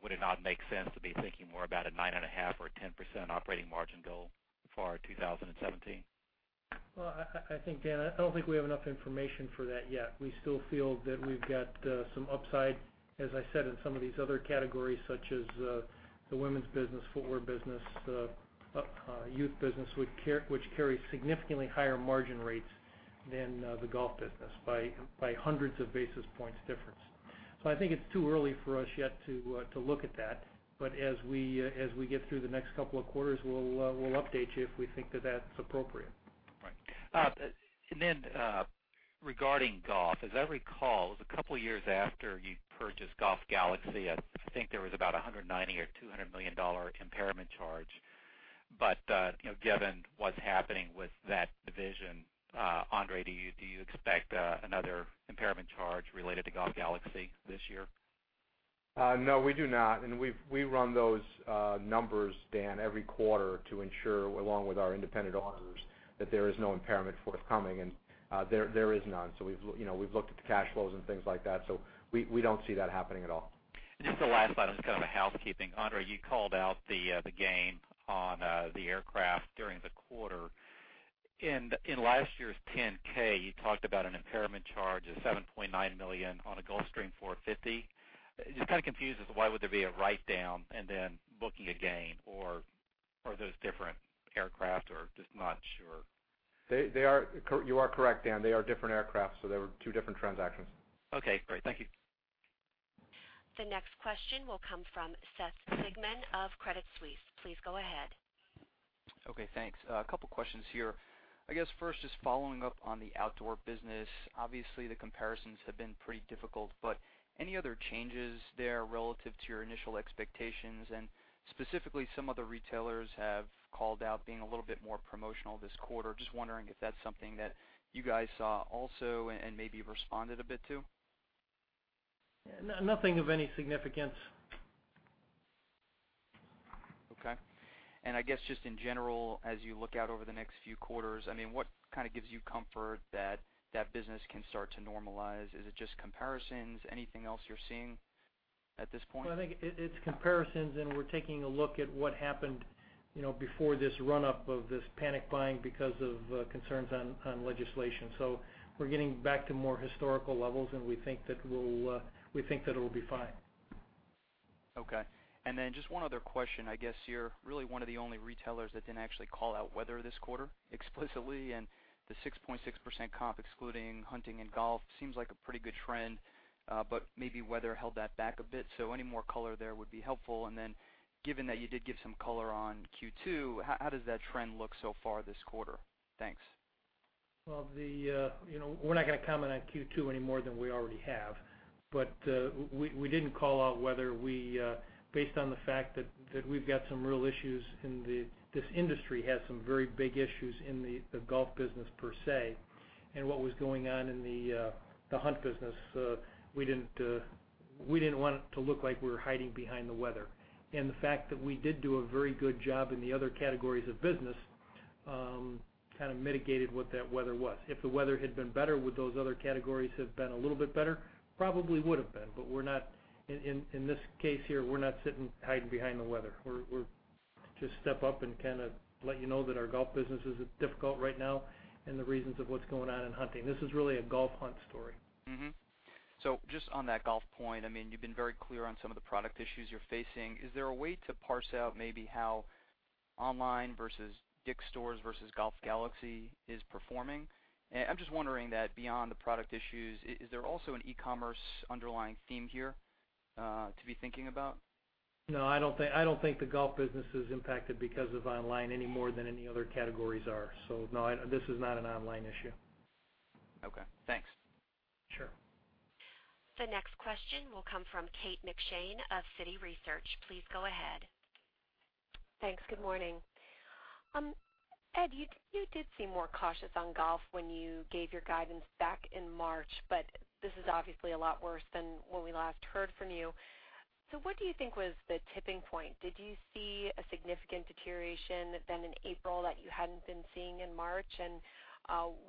Speaker 11: would it not make sense to be thinking more about a nine and a half or a 10% operating margin goal for 2017?
Speaker 3: Dan, I don't think we have enough information for that yet. We still feel that we've got some upside, as I said, in some of these other categories, such as the women's business, footwear business, youth business, which carry significantly higher margin rates than the golf business by hundreds of basis points difference. I think it's too early for us yet to look at that. As we get through the next couple of quarters, we'll update you if we think that that's appropriate.
Speaker 11: Right. Then regarding golf, as I recall, it was a couple of years after you purchased Golf Galaxy, I think there was about $190 million or $200 million impairment charge. Given what's happening with that division, André, do you expect another impairment charge related to Golf Galaxy this year?
Speaker 5: No, we do not. We run those numbers, Dan, every quarter to ensure, along with our independent auditors, that there is no impairment forthcoming, and there is none. We've looked at the cash flows and things like that, we don't see that happening at all.
Speaker 11: Just the last item, just kind of a housekeeping. André, you called out the gain on the aircraft during the quarter. In last year's Form 10-K, you talked about an impairment charge of $7.9 million on a Gulfstream G450. Kind of confused as to why would there be a write down and then booking a gain, or are those different aircraft or just not sure.
Speaker 5: You are correct, Dan. They are different aircraft, so they were two different transactions.
Speaker 11: Okay, great. Thank you.
Speaker 1: The next question will come from Seth Sigman of Credit Suisse. Please go ahead.
Speaker 12: Okay, thanks. A couple questions here. I guess first, just following up on the outdoor business. Obviously, the comparisons have been pretty difficult, but any other changes there relative to your initial expectations? Specifically, some of the retailers have called out being a little bit more promotional this quarter. Just wondering if that's something that you guys saw also and maybe responded a bit to.
Speaker 3: Nothing of any significance.
Speaker 12: Okay. I guess just in general, as you look out over the next few quarters, what gives you comfort that that business can start to normalize? Is it just comparisons? Anything else you're seeing?
Speaker 3: At this point? I think it's comparisons. We're taking a look at what happened before this run-up of this panic buying because of concerns on legislation. We're getting back to more historical levels, and we think that it'll be fine.
Speaker 12: Okay. Just one other question. I guess you're really one of the only retailers that didn't actually call out weather this quarter explicitly. The 6.6% comp, excluding hunting and golf, seems like a pretty good trend. Maybe weather held that back a bit, so any more color there would be helpful. Given that you did give some color on Q2, how does that trend look so far this quarter? Thanks.
Speaker 3: We're not going to comment on Q2 any more than we already have. We didn't call out weather based on the fact that we've got some real issues in this industry, has some very big issues in the golf business per se, and what was going on in the hunt business. We didn't want it to look like we were hiding behind the weather. The fact that we did do a very good job in the other categories of business kind of mitigated what that weather was. If the weather had been better, would those other categories have been a little bit better? Probably would've been. In this case here, we're not sitting hiding behind the weather. We're just step up and kind of let you know that our golf business is difficult right now and the reasons of what's going on in hunting. This is really a golf hunt story.
Speaker 12: Just on that golf point, you've been very clear on some of the product issues you're facing. Is there a way to parse out maybe how online versus DICK'S stores versus Golf Galaxy is performing? I'm just wondering that beyond the product issues, is there also an e-commerce underlying theme here to be thinking about?
Speaker 3: No, I don't think the golf business is impacted because of online any more than any other categories are. No, this is not an online issue.
Speaker 12: Okay, thanks.
Speaker 3: Sure.
Speaker 1: The next question will come from Kate McShane of Citi Research. Please go ahead.
Speaker 13: Thanks. Good morning. Ed, you did seem more cautious on golf when you gave your guidance back in March, this is obviously a lot worse than when we last heard from you. What do you think was the tipping point? Did you see a significant deterioration then in April that you hadn't been seeing in March?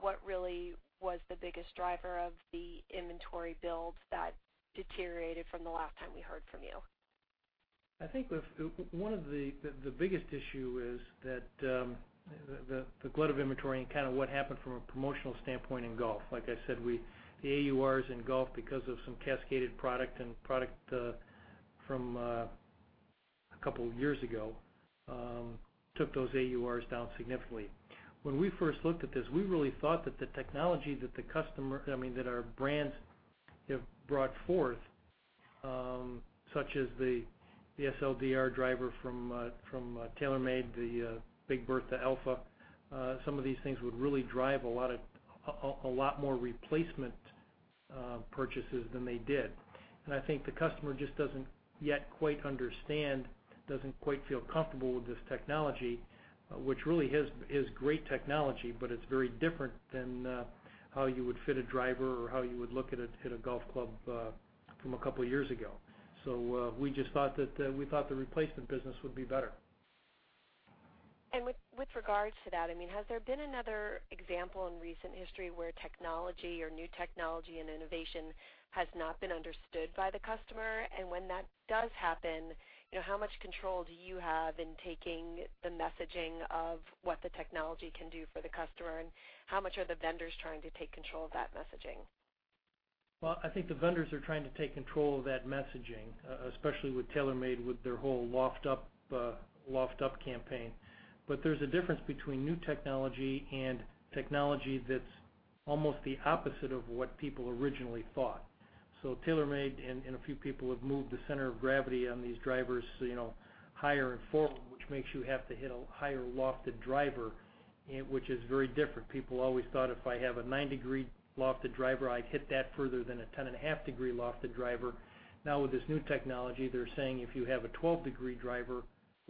Speaker 13: What really was the biggest driver of the inventory build that deteriorated from the last time we heard from you?
Speaker 3: I think the biggest issue is that the glut of inventory and kind of what happened from a promotional standpoint in golf. Like I said, the AURs in golf because of some cascaded product and product from a couple of years ago took those AURs down significantly. When we first looked at this, we really thought that the technology that our brands have brought forth such as the SLDR driver from TaylorMade, the Big Bertha Alpha, some of these things would really drive a lot more replacement purchases than they did. I think the customer just doesn't yet quite understand, doesn't quite feel comfortable with this technology, which really is great technology, but it's very different than how you would fit a driver or how you would look at a golf club from a couple of years ago. We just thought the replacement business would be better.
Speaker 13: With regards to that, has there been another example in recent history where technology or new technology and innovation has not been understood by the customer? When that does happen, how much control do you have in taking the messaging of what the technology can do for the customer, and how much are the vendors trying to take control of that messaging?
Speaker 3: Well, I think the vendors are trying to take control of that messaging, especially with TaylorMade, with their whole Loft Up campaign. There's a difference between new technology and technology that's almost the opposite of what people originally thought. TaylorMade and a few people have moved the center of gravity on these drivers higher and forward, which makes you have to hit a higher lofted driver, which is very different. People always thought, "If I have a nine-degree lofted driver, I'd hit that further than a 10 and a half degree lofted driver." Now with this new technology, they're saying, "If you have a 12-degree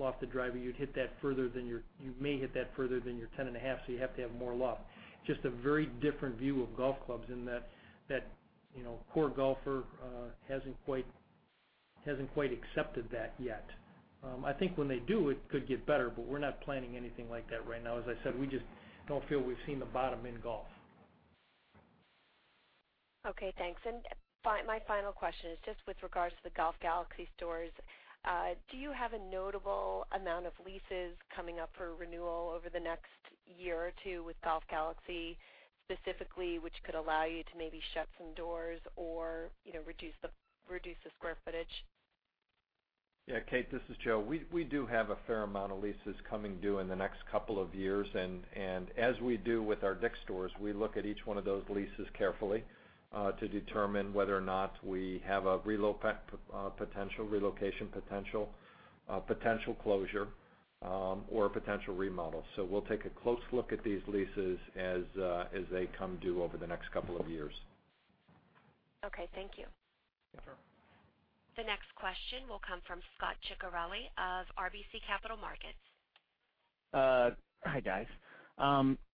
Speaker 3: lofted driver, you may hit that further than your 10 and a half, so you have to have more loft." Just a very different view of golf clubs in that poor golfer hasn't quite accepted that yet. I think when they do, it could get better, but we're not planning anything like that right now. As I said, we just don't feel we've seen the bottom in golf.
Speaker 13: Okay, thanks. My final question is just with regards to the Golf Galaxy stores. Do you have a notable amount of leases coming up for renewal over the next year or two with Golf Galaxy specifically, which could allow you to maybe shut some doors or reduce the square footage?
Speaker 4: Yeah, Kate, this is Joe. We do have a fair amount of leases coming due in the next couple of years. As we do with our DICK'S stores, we look at each one of those leases carefully to determine whether or not we have a potential relocation, potential closure, or a potential remodel. We'll take a close look at these leases as they come due over the next couple of years.
Speaker 13: Okay, thank you.
Speaker 3: Sure.
Speaker 1: The next question will come from Scot Ciccarelli of RBC Capital Markets.
Speaker 14: Hi, guys.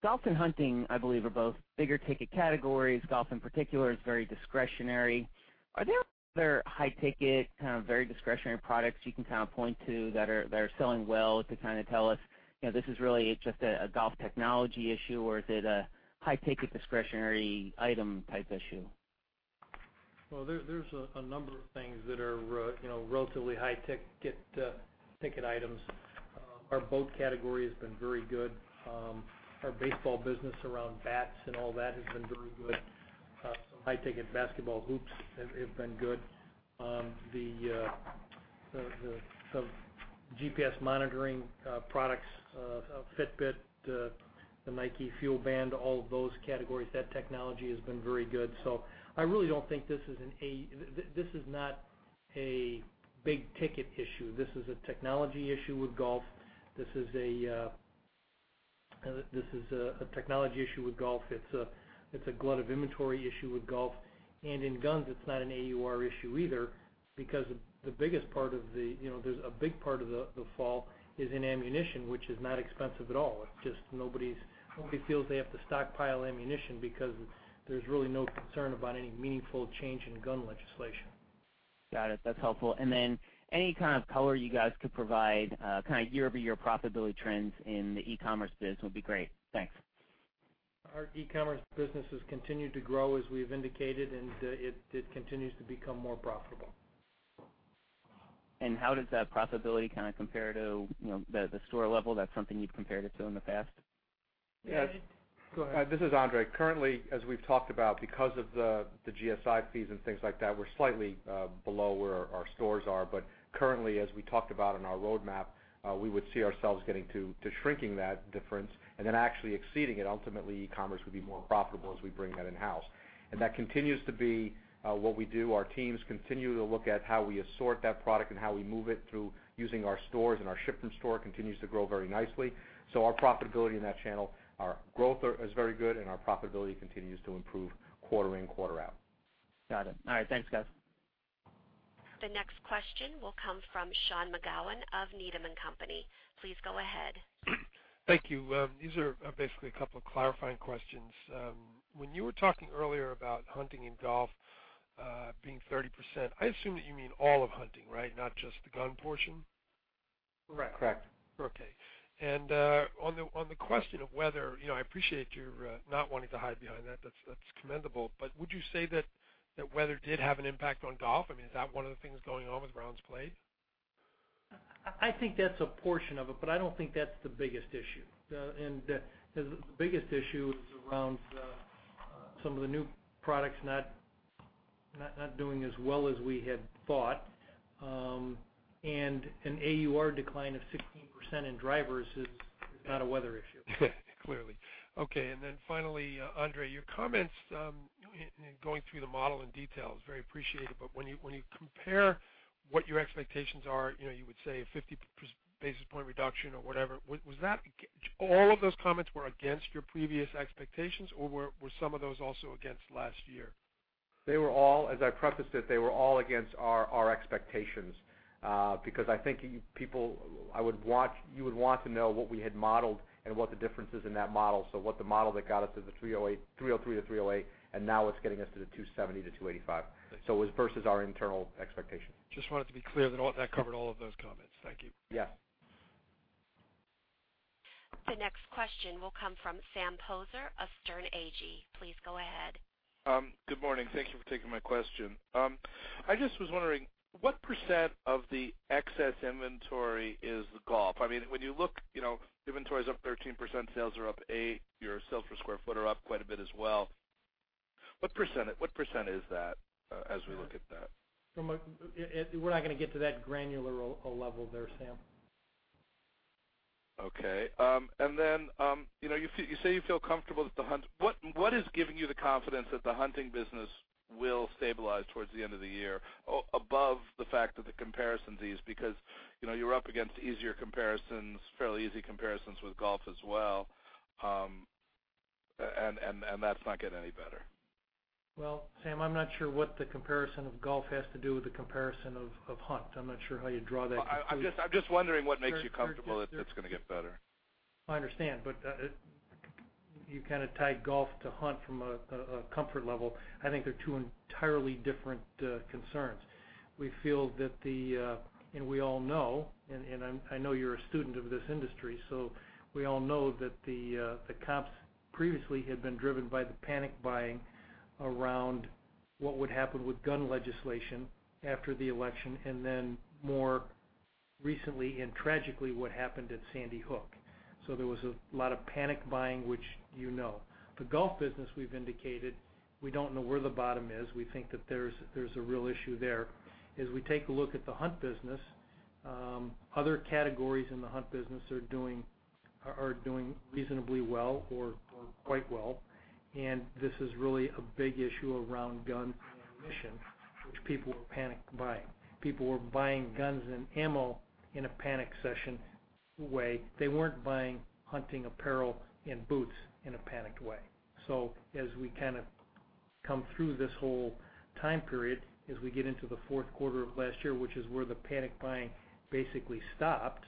Speaker 14: Golf and hunting, I believe, are both bigger-ticket categories. Golf in particular is very discretionary. Are there other high-ticket, kind of very discretionary products you can kind of point to that are selling well to kind of tell us this is really just a golf technology issue or is it a high-ticket discretionary item type issue?
Speaker 3: Well, there's a number of things that are relatively high-ticket items. Our boat category has been very good. Our baseball business around bats and all that has been very good. Some high-ticket basketball hoops have been good. The GPS monitoring products, Fitbit, the Nike+ FuelBand, all of those categories, that technology has been very good. I really don't think this is not a big-ticket issue. This is a technology issue with golf. It's a glut of inventory issue with golf, and in guns, it's not an AUR issue either because a big part of the fall is in ammunition, which is not expensive at all. It's just nobody feels they have to stockpile ammunition because there's really no concern about any meaningful change in gun legislation.
Speaker 14: Got it. That's helpful. Any kind of color you guys could provide, year-over-year profitability trends in the e-commerce biz would be great. Thanks.
Speaker 3: Our e-commerce business has continued to grow as we've indicated. It continues to become more profitable.
Speaker 14: How does that profitability compare to the store level? That's something you've compared it to in the past.
Speaker 3: Yes. Go ahead.
Speaker 5: This is André. Currently, as we've talked about, because of the GSI fees and things like that, we're slightly below where our stores are. Currently, as we talked about in our roadmap, we would see ourselves getting to shrinking that difference and then actually exceeding it. Ultimately, e-commerce would be more profitable as we bring that in-house. That continues to be what we do. Our teams continue to look at how we assort that product and how we move it through using our stores, and our ship from store continues to grow very nicely. Our profitability in that channel, our growth is very good, and our profitability continues to improve quarter in, quarter out.
Speaker 14: Got it. All right. Thanks, guys.
Speaker 1: The next question will come from Sean McGowan of Needham & Company. Please go ahead.
Speaker 15: Thank you. These are basically a couple of clarifying questions. When you were talking earlier about hunting and golf being 30%, I assume that you mean all of hunting, right? Not just the gun portion.
Speaker 3: Correct.
Speaker 5: Correct.
Speaker 15: Okay. On the question of weather, I appreciate your not wanting to hide behind that. That's commendable. Would you say that weather did have an impact on golf? Is that one of the things going on with rounds played?
Speaker 3: I think that's a portion of it, but I don't think that's the biggest issue. The biggest issue is around some of the new products not doing as well as we had thought. An AUR decline of 16% in drivers is not a weather issue.
Speaker 15: Clearly. Okay. Finally, André, your comments going through the model in detail is very appreciated, but when you compare what your expectations are, you would say a 50 basis point reduction or whatever, all of those comments were against your previous expectations, or were some of those also against last year?
Speaker 5: They were all, as I prefaced it, they were all against our expectations. I think you would want to know what we had modeled and what the difference is in that model. What the model that got us to the $303-$308, and now what's getting us to the $270-$285.
Speaker 15: Thank you.
Speaker 5: it was versus our internal expectation.
Speaker 15: Just wanted to be clear that covered all of those comments. Thank you.
Speaker 5: Yes.
Speaker 1: The next question will come from Sam Poser of Sterne Agee. Please go ahead.
Speaker 16: Good morning. Thank you for taking my question. I just was wondering, what % of the excess inventory is golf? When you look, inventory's up 13%, sales are up 8%, your sales per sq ft are up quite a bit as well. What % is that as we look at that?
Speaker 3: We're not going to get to that granular a level there, Sam.
Speaker 16: Okay. Then, you say you feel comfortable that the hunting business will stabilize towards the end of the year above the fact of the comparisons? Because you're up against easier comparisons, fairly easy comparisons with golf as well. That's not getting any better.
Speaker 3: Well, Sam, I'm not sure what the comparison of golf has to do with the comparison of hunt. I'm not sure how you draw that conclusion.
Speaker 16: I'm just wondering what makes you comfortable that that's going to get better.
Speaker 3: I understand. You tied golf to hunt from a comfort level. I think they're two entirely different concerns. We feel that and we all know, and I know you're a student of this industry, we all know that the comps previously had been driven by the panic buying around what would happen with gun legislation after the election, and then more recently and tragically, what happened at Sandy Hook. There was a lot of panic buying, which you know. The golf business, we've indicated, we don't know where the bottom is. We think that there's a real issue there. As we take a look at the hunt business, other categories in the hunt business are doing reasonably well or quite well. This is really a big issue around gun and ammunition, which people were panic buying. People were buying guns and ammo in a panic session way. They weren't buying hunting apparel and boots in a panicked way. As we come through this whole time period, as we get into the fourth quarter of last year, which is where the panic buying basically stopped,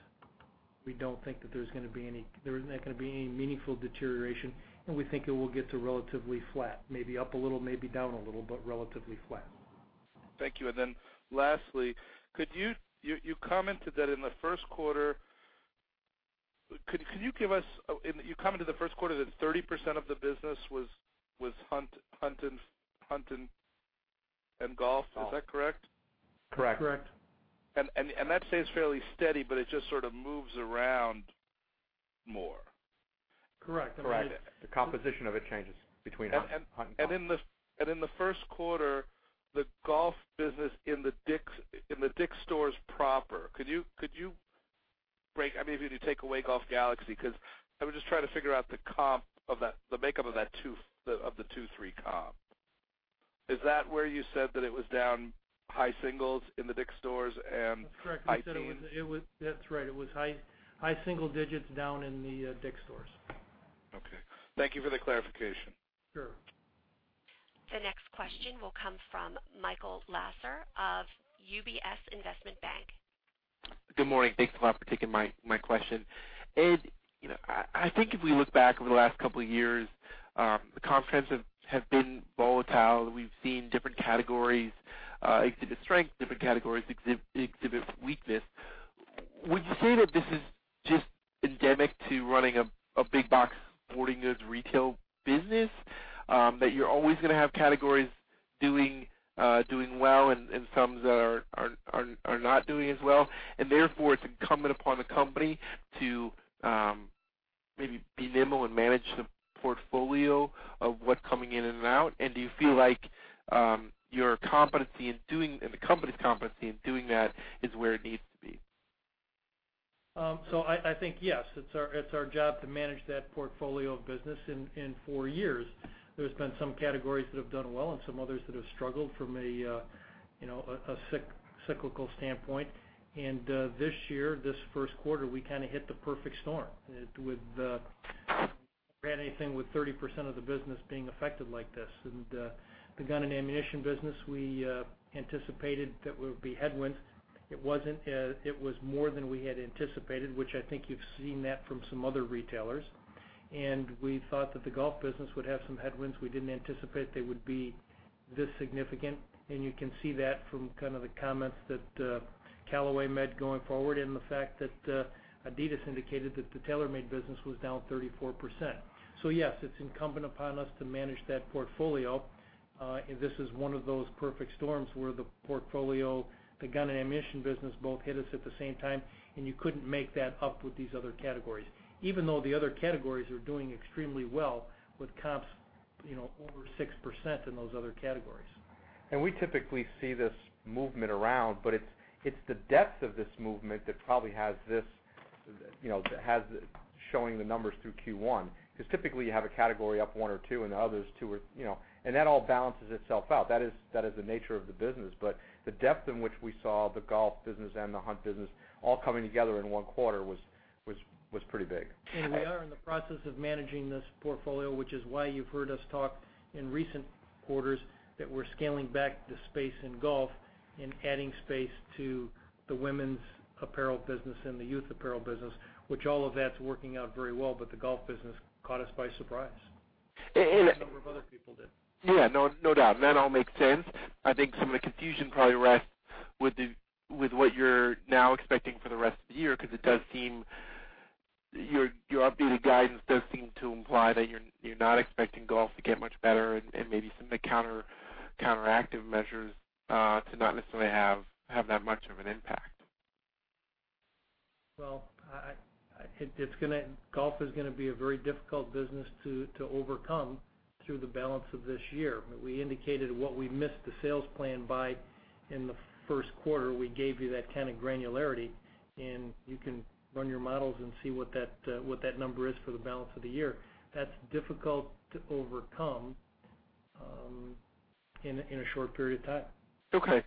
Speaker 3: we don't think that there's going to be any meaningful deterioration, and we think it will get to relatively flat, maybe up a little, maybe down a little, but relatively flat.
Speaker 16: Thank you. Then lastly, you commented that in the first quarter Can you give us, you commented in the first quarter that 30% of the business was hunt and golf. Is that correct?
Speaker 3: Correct.
Speaker 5: Correct.
Speaker 16: That stays fairly steady, but it just sort of moves around more.
Speaker 3: Correct.
Speaker 5: Correct. The composition of it changes between hunt and golf.
Speaker 16: In the first quarter, the golf business in the DICK'S stores proper, if you take away Golf Galaxy, because I was just trying to figure out the makeup of the two, three comp. Is that where you said that it was down high singles in the DICK'S stores and high teens?
Speaker 3: That's correct. That's right. It was high single digits down in the DICK'S stores.
Speaker 16: Okay. Thank you for the clarification.
Speaker 3: Sure.
Speaker 1: The next question will come from Michael Lasser of UBS Investment Bank.
Speaker 17: Good morning. Thanks a lot for taking my question. Ed, I think if we look back over the last couple of years, the comp trends have been volatile. We've seen different categories exhibit strength, different categories exhibit weakness. Would you say that this is just endemic to running a big box sporting goods retail business? That you're always going to have categories doing well and some that are not doing as well, and therefore, it's incumbent upon the company to maybe be nimble and manage the portfolio of what's coming in and out. Do you feel like the company's competency in doing that is where it needs to be?
Speaker 3: I think yes. It's our job to manage that portfolio of business. In four years, there's been some categories that have done well and some others that have struggled from a cyclical standpoint. This year, this first quarter, we kind of hit the perfect storm. We've never had anything with 30% of the business being affected like this. The gun and ammunition business, we anticipated that would be headwind. It wasn't. It was more than we had anticipated, which I think you've seen that from some other retailers. We thought that the golf business would have some headwinds. We didn't anticipate they would be this significant, and you can see that from the comments that Callaway made going forward and the fact that Adidas indicated that the TaylorMade business was down 34%. Yes, it's incumbent upon us to manage that portfolio. This is one of those perfect storms where the portfolio, the gun and ammunition business both hit us at the same time, you couldn't make that up with these other categories, even though the other categories are doing extremely well with comps over 6% in those other categories.
Speaker 5: We typically see this movement around, it's the depth of this movement that probably has showing the numbers through Q1. Typically, you have a category up 1 or 2 and others two. That all balances itself out. That is the nature of the business. The depth in which we saw the golf business and the hunt business all coming together in one quarter was pretty big.
Speaker 3: We are in the process of managing this portfolio, which is why you've heard us talk in recent quarters that we're scaling back the space in golf and adding space to the women's apparel business and the youth apparel business, which all of that's working out very well, the golf business caught us by surprise.
Speaker 17: And-
Speaker 3: A number of other people did.
Speaker 17: Yeah, no doubt. That all makes sense. I think some of the confusion probably rests with what you're now expecting for the rest of the year because your updated guidance does seem to imply that you're not expecting golf to get much better and maybe some of the counteractive measures to not necessarily have that much of an impact.
Speaker 3: Well, golf is going to be a very difficult business to overcome through the balance of this year. We indicated what we missed the sales plan by in the first quarter. We gave you that kind of granularity, you can run your models and see what that number is for the balance of the year. That's difficult to overcome in a short period of time.
Speaker 17: Okay.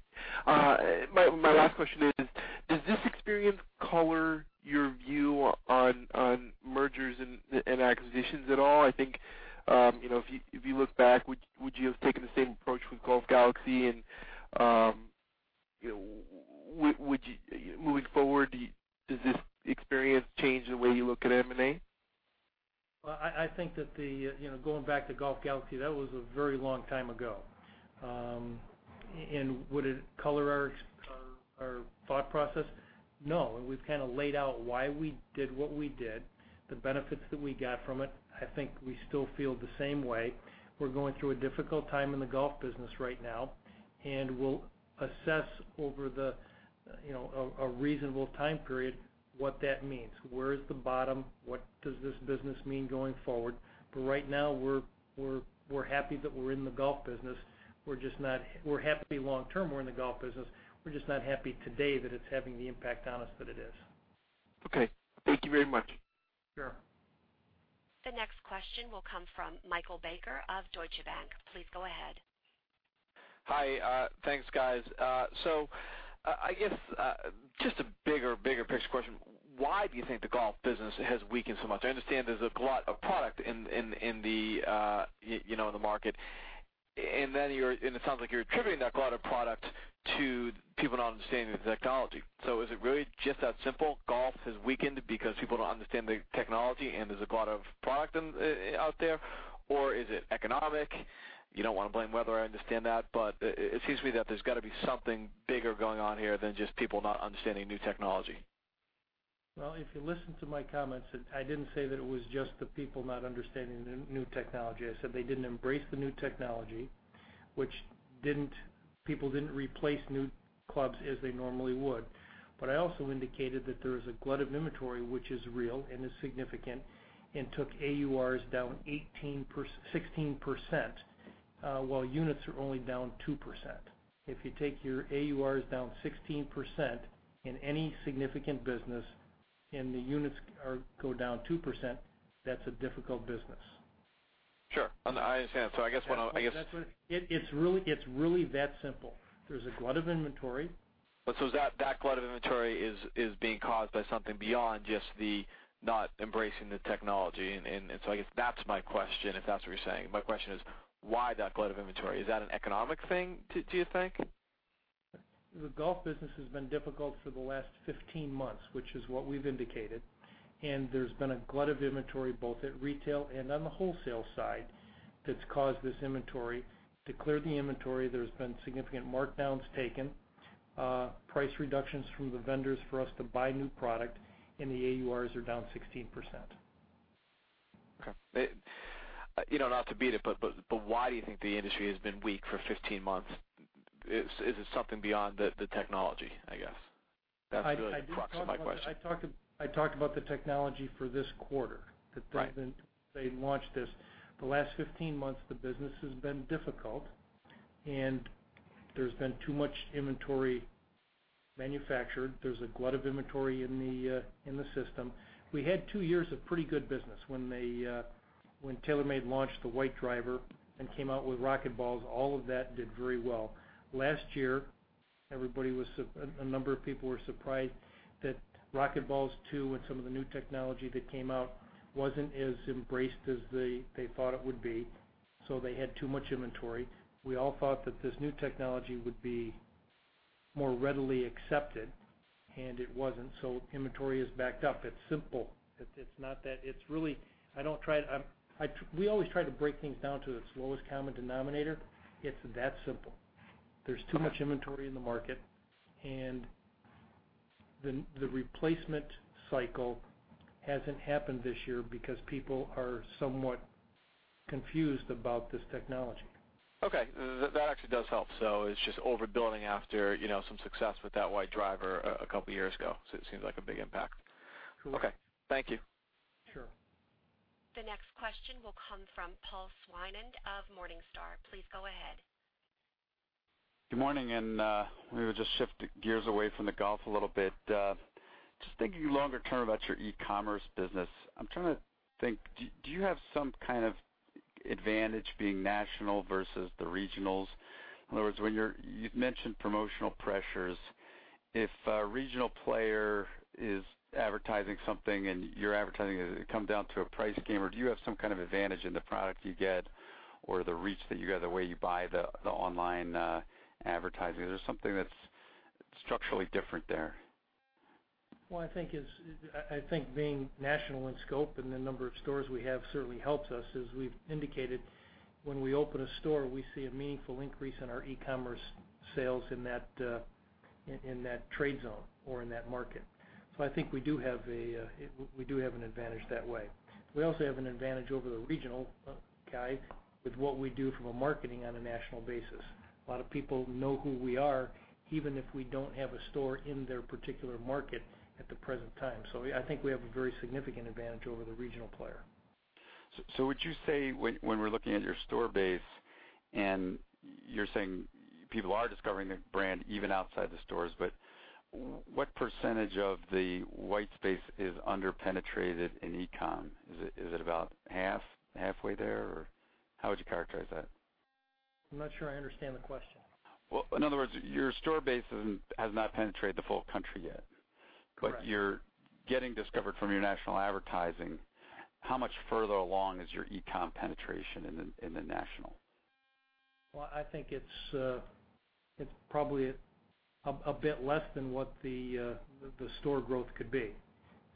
Speaker 17: My last question is, does this experience color your view on mergers and acquisitions at all? I think, if you look back, would you have taken the same approach with Golf Galaxy and moving forward, does this experience change the way you look at M&A?
Speaker 3: Well, I think that going back to Golf Galaxy, that was a very long time ago. Would it color our thought process? No. We've kind of laid out why we did what we did, the benefits that we got from it. I think we still feel the same way. We're going through a difficult time in the golf business right now, and we'll assess over a reasonable time period what that means. Where is the bottom? What does this business mean going forward? Right now, we're happy that we're in the golf business. We're happy long term we're in the golf business. We're just not happy today that it's having the impact on us that it is.
Speaker 17: Okay. Thank you very much.
Speaker 3: Sure.
Speaker 1: The next question will come from Michael Baker of Deutsche Bank. Please go ahead.
Speaker 18: Hi. Thanks, guys. I guess just a bigger picture question. Why do you think the golf business has weakened so much? I understand there's a glut of product in the market, It sounds like you're attributing that glut of product to people not understanding the technology. Is it really just that simple? Golf has weakened because people don't understand the technology, There's a glut of product out there, or is it economic? You don't want to blame weather, I understand that, It seems to me that there's got to be something bigger going on here than just people not understanding new technology.
Speaker 3: Well, if you listen to my comments, I didn't say that it was just the people not understanding the new technology. I said they didn't embrace the new technology, which people didn't replace new clubs as they normally would. I also indicated that there is a glut of inventory, which is real and is significant, and took AURs down 16%, while units are only down 2%. If you take your AURs down 16% in any significant business The units go down 2%, that's a difficult business.
Speaker 18: Sure. I understand. I guess what.
Speaker 3: It's really that simple. There's a glut of inventory.
Speaker 18: That glut of inventory is being caused by something beyond just the not embracing the technology. I guess that's my question, if that's what you're saying. My question is, why that glut of inventory? Is that an economic thing, do you think?
Speaker 3: The golf business has been difficult for the last 15 months, which is what we've indicated, and there's been a glut of inventory, both at retail and on the wholesale side, that's caused this inventory. To clear the inventory, there's been significant markdowns taken, price reductions from the vendors for us to buy new product, and the AURs are down 16%.
Speaker 18: Okay. Not to beat it, why do you think the industry has been weak for 15 months? Is it something beyond the technology, I guess? That's really the crux of my question.
Speaker 3: I talked about the technology for this quarter.
Speaker 18: Right.
Speaker 3: That they launched this. The last 15 months, the business has been difficult and there's been too much inventory manufactured. There's a glut of inventory in the system. We had two years of pretty good business. When TaylorMade launched the white driver and came out with RocketBallz, all of that did very well. Last year, a number of people were surprised that RocketBallz Stage 2 and some of the new technology that came out wasn't as embraced as they thought it would be. They had too much inventory. We all thought that this new technology would be more readily accepted, and it wasn't. Inventory is backed up. It's simple. We always try to break things down to its lowest common denominator. It's that simple. There's too much inventory in the market, and the replacement cycle hasn't happened this year because people are somewhat confused about this technology.
Speaker 18: Okay. That actually does help. It's just overbuilding after some success with that white driver a couple of years ago. It seems like a big impact.
Speaker 3: Sure.
Speaker 18: Okay. Thank you.
Speaker 3: Sure.
Speaker 1: The next question will come from Paul Swinand of Morningstar. Please go ahead.
Speaker 19: Good morning. Let me just shift gears away from the golf a little bit. Just thinking longer term about your e-commerce business. I'm trying to think, do you have some kind of advantage being national versus the regionals? In other words, you've mentioned promotional pressures. If a regional player is advertising something and you're advertising it, does it come down to a price game, or do you have some kind of advantage in the product you get or the reach that you get, the way you buy the online advertising? Is there something that's structurally different there?
Speaker 3: Well, I think being national in scope and the number of stores we have certainly helps us. As we've indicated, when we open a store, we see a meaningful increase in our e-commerce sales in that trade zone or in that market. I think we do have an advantage that way. We also have an advantage over the regional guy with what we do from a marketing on a national basis. A lot of people know who we are, even if we don't have a store in their particular market at the present time. I think we have a very significant advantage over the regional player.
Speaker 19: Would you say, when we're looking at your store base and you're saying people are discovering the brand even outside the stores, what percentage of the white space is under-penetrated in e-com? Is it about half, halfway there, or how would you characterize that?
Speaker 3: I'm not sure I understand the question.
Speaker 19: In other words, your store base has not penetrated the full country yet.
Speaker 3: Correct.
Speaker 19: You're getting discovered from your national advertising. How much further along is your e-com penetration in the national?
Speaker 3: I think it's probably a bit less than what the store growth could be.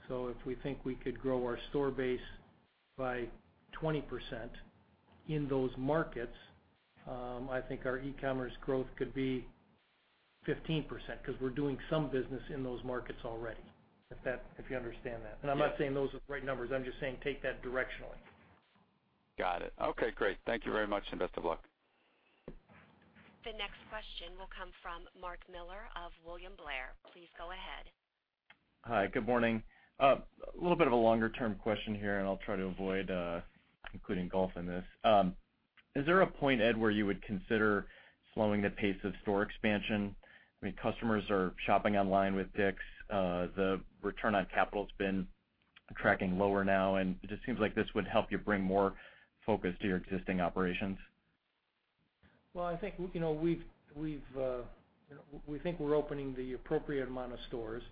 Speaker 3: If we think we could grow our store base by 20% in those markets, I think our e-commerce growth could be 15% because we're doing some business in those markets already, if you understand that.
Speaker 19: Yes.
Speaker 3: I'm not saying those are the right numbers. I'm just saying take that directionally.
Speaker 19: Got it. Okay, great. Thank you very much, and best of luck.
Speaker 1: The next question will come from Mark Miller of William Blair. Please go ahead.
Speaker 20: Hi, good morning. A little bit of a longer-term question here. I'll try to avoid including golf in this. Is there a point, Ed, where you would consider slowing the pace of store expansion? Customers are shopping online with picks. The return on capital's been tracking lower now. It just seems like this would help you bring more focus to your existing operations.
Speaker 3: Well, we think we're opening the appropriate amount of stores.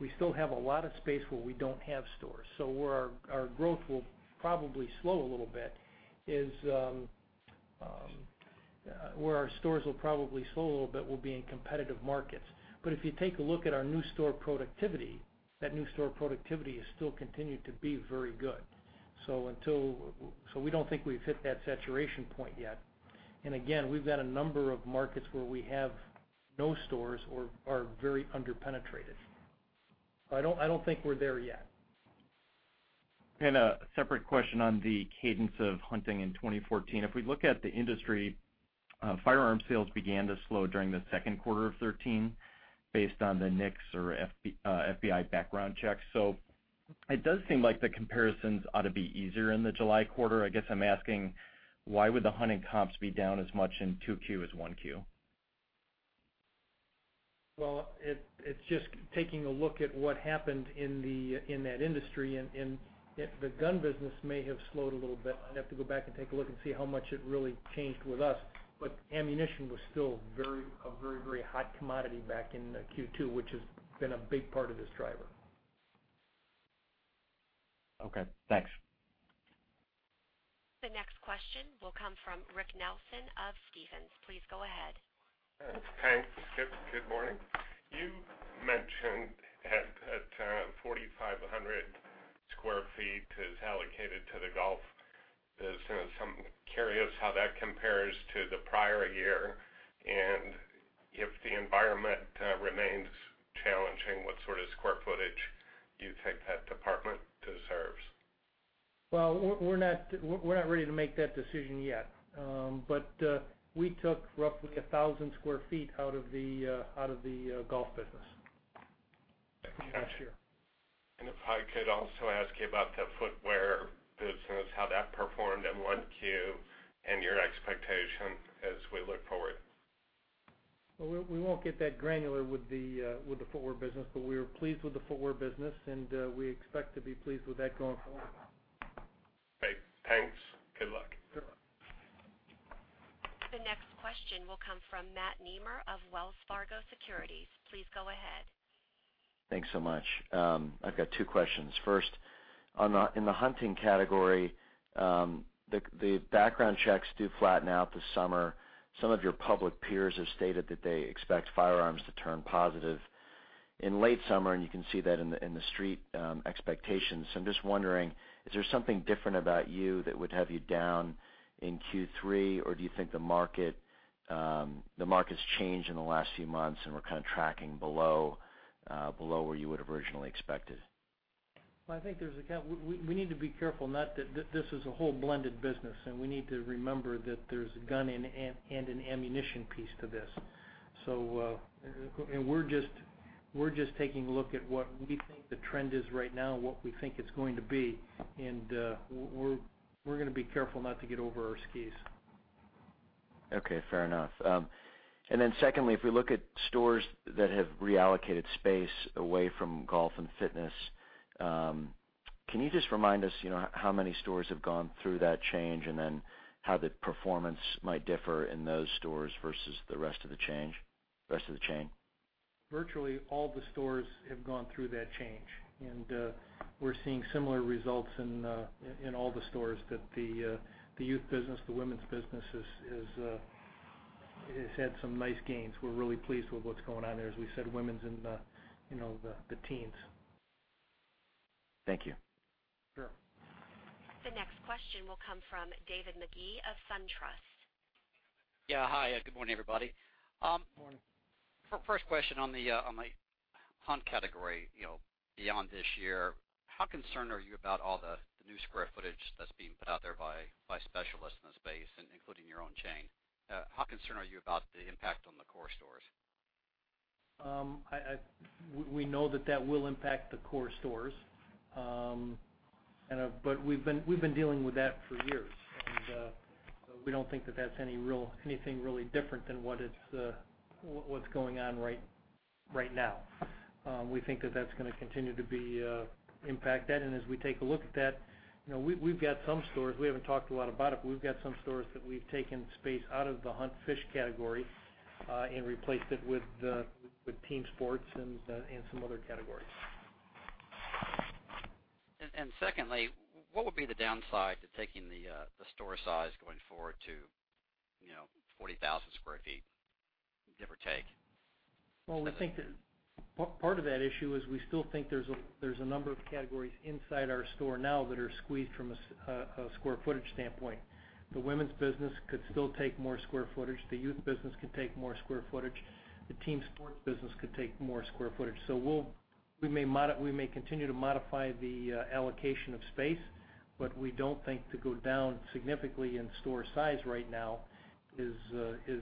Speaker 3: We still have a lot of space where we don't have stores. Where our growth will probably slow a little bit is where our stores will probably slow a little bit will be in competitive markets. If you take a look at our new store productivity, that new store productivity has still continued to be very good. We don't think we've hit that saturation point yet. Again, we've got a number of markets where we have no stores or are very under-penetrated. I don't think we're there yet.
Speaker 20: A separate question on the cadence of hunting in 2014. If we look at the industry, firearm sales began to slow during the second quarter of 2013 based on the NICS or FBI background checks. It does seem like the comparisons ought to be easier in the July quarter. I guess I'm asking, why would the hunting comps be down as much in Q2 as Q1?
Speaker 3: Well, it's just taking a look at what happened in that industry. The gun business may have slowed a little bit. I'd have to go back and take a look and see how much it really changed with us. Ammunition was still a very, very hot commodity back in Q2, which has been a big part of this driver.
Speaker 20: Okay, thanks.
Speaker 1: The next question will come from Rick Nelson of Stephens. Please go ahead.
Speaker 21: Thanks. Good morning. You mentioned that 4,500 square feet is allocated to the golf business. I'm curious how that compares to the prior year and if the environment remains challenging, what sort of square footage you think that department deserves.
Speaker 3: Well, we're not ready to make that decision yet. We took roughly 1,000 square feet out of the golf business this year.
Speaker 21: If I could also ask you about the footwear business, how that performed in Q1, and your expectation as we look forward.
Speaker 3: Well, we won't get that granular with the footwear business, but we are pleased with the footwear business, and we expect to be pleased with that going forward.
Speaker 21: Great. Thanks. Good luck.
Speaker 3: Sure.
Speaker 1: The next question will come from Matt Nemer of Wells Fargo Securities. Please go ahead.
Speaker 22: Thanks so much. I've got two questions. First, in the hunting category, the background checks do flatten out this summer. Some of your public peers have stated that they expect firearms to turn positive in late summer, and you can see that in the Street expectations. I'm just wondering, is there something different about you that would have you down in Q3, or do you think the market's changed in the last few months and we're kind of tracking below where you would have originally expected?
Speaker 3: Well, I think we need to be careful. This is a whole blended business, and we need to remember that there's a gun and an ammunition piece to this. We're just taking a look at what we think the trend is right now and what we think it's going to be. We're going to be careful not to get over our skis.
Speaker 22: Okay, fair enough. Secondly, if we look at stores that have reallocated space away from golf and fitness, can you just remind us how many stores have gone through that change and then how the performance might differ in those stores versus the rest of the chain?
Speaker 3: Virtually all the stores have gone through that change. We're seeing similar results in all the stores that the youth business, the women's business has had some nice gains. We're really pleased with what's going on there, as we said, women's and the teens.
Speaker 22: Thank you.
Speaker 3: Sure.
Speaker 1: The next question will come from David Magee of SunTrust.
Speaker 23: Yeah. Hi. Good morning, everybody.
Speaker 3: Morning.
Speaker 23: First question on the hunt category. Beyond this year, how concerned are you about all the new square footage that's being put out there by specialists in the space and including your own chain? How concerned are you about the impact on the core stores?
Speaker 3: We know that that will impact the core stores. We've been dealing with that for years, and we don't think that that's anything really different than what's going on right now. We think that that's going to continue to impact that. As we take a look at that, we've got some stores, we haven't talked a lot about it, but we've got some stores that we've taken space out of the hunt, fish category and replaced it with team sports and some other categories.
Speaker 23: Secondly, what would be the downside to taking the store size going forward to 40,000 square feet, give or take?
Speaker 3: Well, I think that part of that issue is we still think there's a number of categories inside our store now that are squeezed from a square footage standpoint. The women's business could still take more square footage. The youth business could take more square footage. The team sports business could take more square footage. We may continue to modify the allocation of space, but we don't think to go down significantly in store size right now is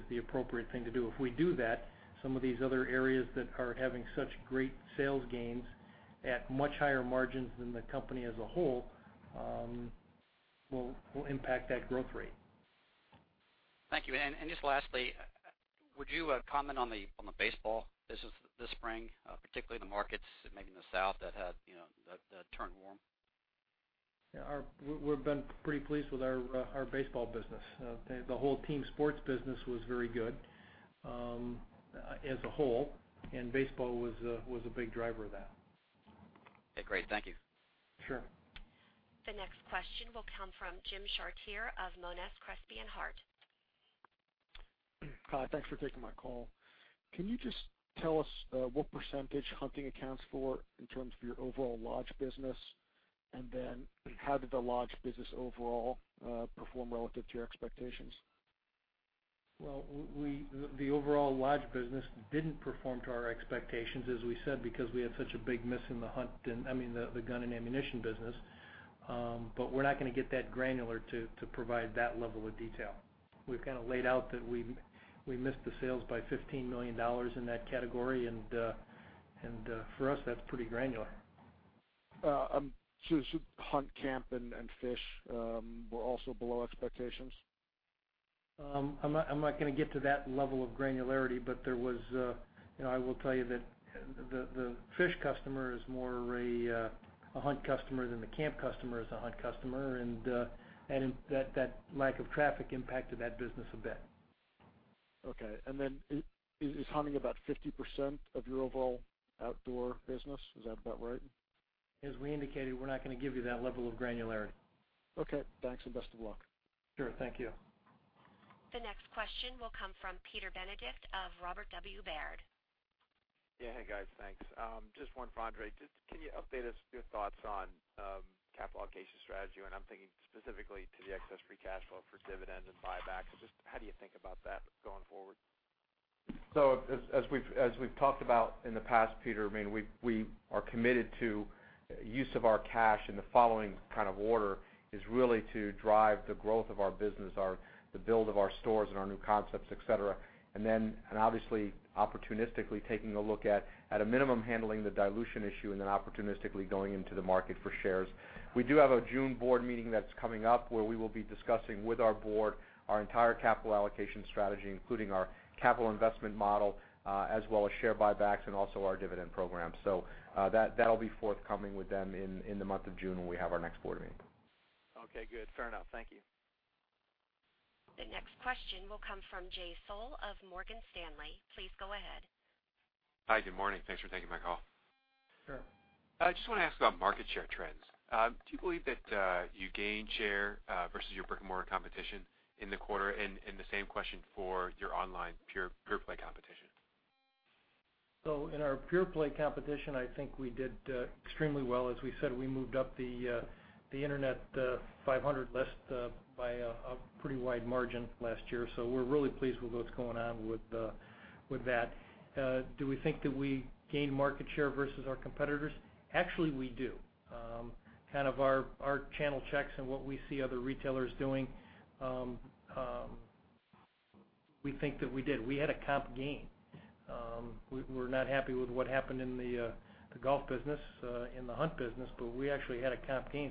Speaker 3: the appropriate thing to do. If we do that, some of these other areas that are having such great sales gains at much higher margins than the company as a whole will impact that growth rate.
Speaker 23: Thank you. Just lastly, would you comment on the baseball business this spring, particularly the markets maybe in the South that turned warm?
Speaker 3: Yeah. We've been pretty pleased with our baseball business. The whole team sports business was very good as a whole, and baseball was a big driver of that.
Speaker 23: Okay, great. Thank you.
Speaker 3: Sure.
Speaker 1: The next question will come from Jim Chartier of Monness, Crespi and Hardt.
Speaker 24: Hi, thanks for taking my call. Can you just tell us what % hunting accounts for in terms of your overall Lodge business? How did the Lodge business overall perform relative to your expectations?
Speaker 3: Well, the overall Lodge business didn't perform to our expectations, as we said, because we had such a big miss in the hunt and the gun and ammunition business. We're not going to get that granular to provide that level of detail. We've kind of laid out that we missed the sales by $15 million in that category. For us, that's pretty granular.
Speaker 24: Hunt camp and fish were also below expectations?
Speaker 3: I'm not going to get to that level of granularity. I will tell you that the fish customer is more a hunt customer than the camp customer is a hunt customer. That lack of traffic impacted that business a bit.
Speaker 24: Okay. Is hunting about 50% of your overall outdoor business? Is that about right?
Speaker 3: As we indicated, we're not going to give you that level of granularity.
Speaker 24: Okay, thanks, and best of luck.
Speaker 3: Sure. Thank you.
Speaker 1: The next question will come from Peter Benedict of Robert W. Baird.
Speaker 25: Yeah. Hey, guys. Thanks. Just one for André. Can you update us your thoughts on capital allocation strategy? I'm thinking specifically to the excess free cash flow for dividends and buybacks. Just how do you think about that going forward?
Speaker 5: As we've talked about in the past, Peter, we are committed to use of our cash in the following order is really to drive the growth of our business, the build of our stores and our new concepts, et cetera. Obviously, opportunistically taking a look at a minimum handling the dilution issue and then opportunistically going into the market for shares. We do have a June board meeting that's coming up where we will be discussing with our board our entire capital allocation strategy, including our capital investment model, as well as share buybacks and also our dividend program. That'll be forthcoming with them in the month of June when we have our next board meeting.
Speaker 25: Okay, good. Fair enough. Thank you.
Speaker 1: The next question will come from Jay Sole of Morgan Stanley. Please go ahead.
Speaker 26: Hi. Good morning. Thanks for taking my call.
Speaker 3: Sure.
Speaker 26: I just want to ask about market share trends. Do you believe that you gained share versus your brick-and-mortar competition in the quarter? The same question for your online pure-play competition.
Speaker 3: In our pure-play competition, I think we did extremely well. As we said, we moved up the Internet 500 list by a pretty wide margin last year. We're really pleased with what's going on with that. Do we think that we gained market share versus our competitors? Actually, we do. Kind of our channel checks and what we see other retailers doing, we think that we did. We had a comp gain. We're not happy with what happened in the golf business, in the hunt business, we actually had a comp gain.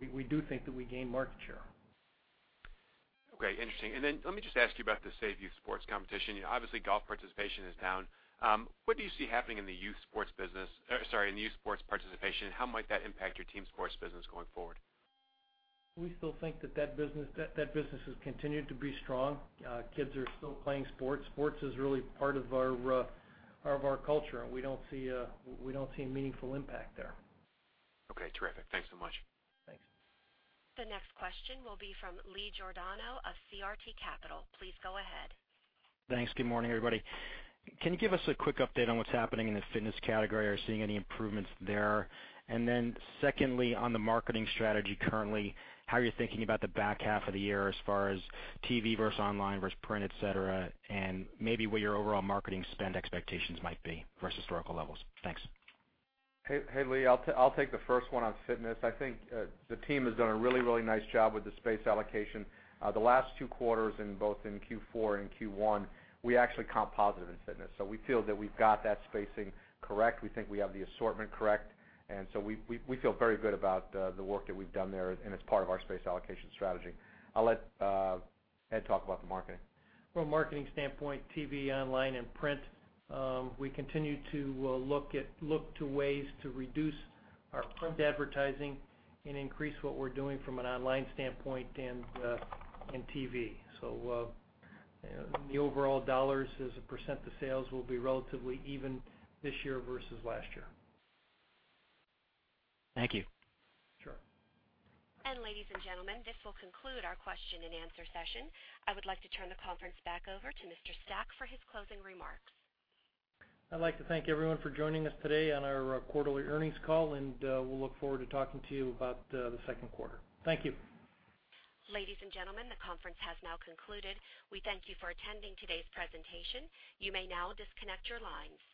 Speaker 3: We think overall, we do think that we gained market share.
Speaker 26: Okay, interesting. Let me just ask you about the save youth sports competition. Obviously, golf participation is down. What do you see happening in the youth sports participation, how might that impact your team sports business going forward?
Speaker 3: We still think that that business has continued to be strong. Kids are still playing sports. Sports is really part of our culture, and we don't see a meaningful impact there.
Speaker 26: Okay, terrific. Thanks so much.
Speaker 3: Thanks.
Speaker 1: The next question will be from Lee Giordano of CRT Capital. Please go ahead.
Speaker 27: Thanks. Good morning, everybody. Can you give us a quick update on what's happening in the fitness category? Are you seeing any improvements there? Secondly, on the marketing strategy currently, how are you thinking about the back half of the year as far as TV versus online versus print, et cetera, and maybe where your overall marketing spend expectations might be versus historical levels? Thanks.
Speaker 5: Hey, Lee, I'll take the first one on fitness. I think the team has done a really nice job with the space allocation. The last two quarters in Q4 and Q1, we actually comp positive in fitness. We feel that we've got that spacing correct. We think we have the assortment correct. We feel very good about the work that we've done there, and it's part of our space allocation strategy. I'll let Ed talk about the marketing.
Speaker 3: From a marketing standpoint, TV, online, and print, we continue to look to ways to reduce our print advertising and increase what we're doing from an online standpoint and TV. The overall dollars as a % of sales will be relatively even this year versus last year.
Speaker 27: Thank you.
Speaker 3: Sure.
Speaker 1: Ladies and gentlemen, this will conclude our question and answer session. I would like to turn the conference back over to Mr. Stack for his closing remarks.
Speaker 3: I'd like to thank everyone for joining us today on our quarterly earnings call. We'll look forward to talking to you about the second quarter. Thank you.
Speaker 1: Ladies and gentlemen, the conference has now concluded. We thank you for attending today's presentation. You may now disconnect your lines.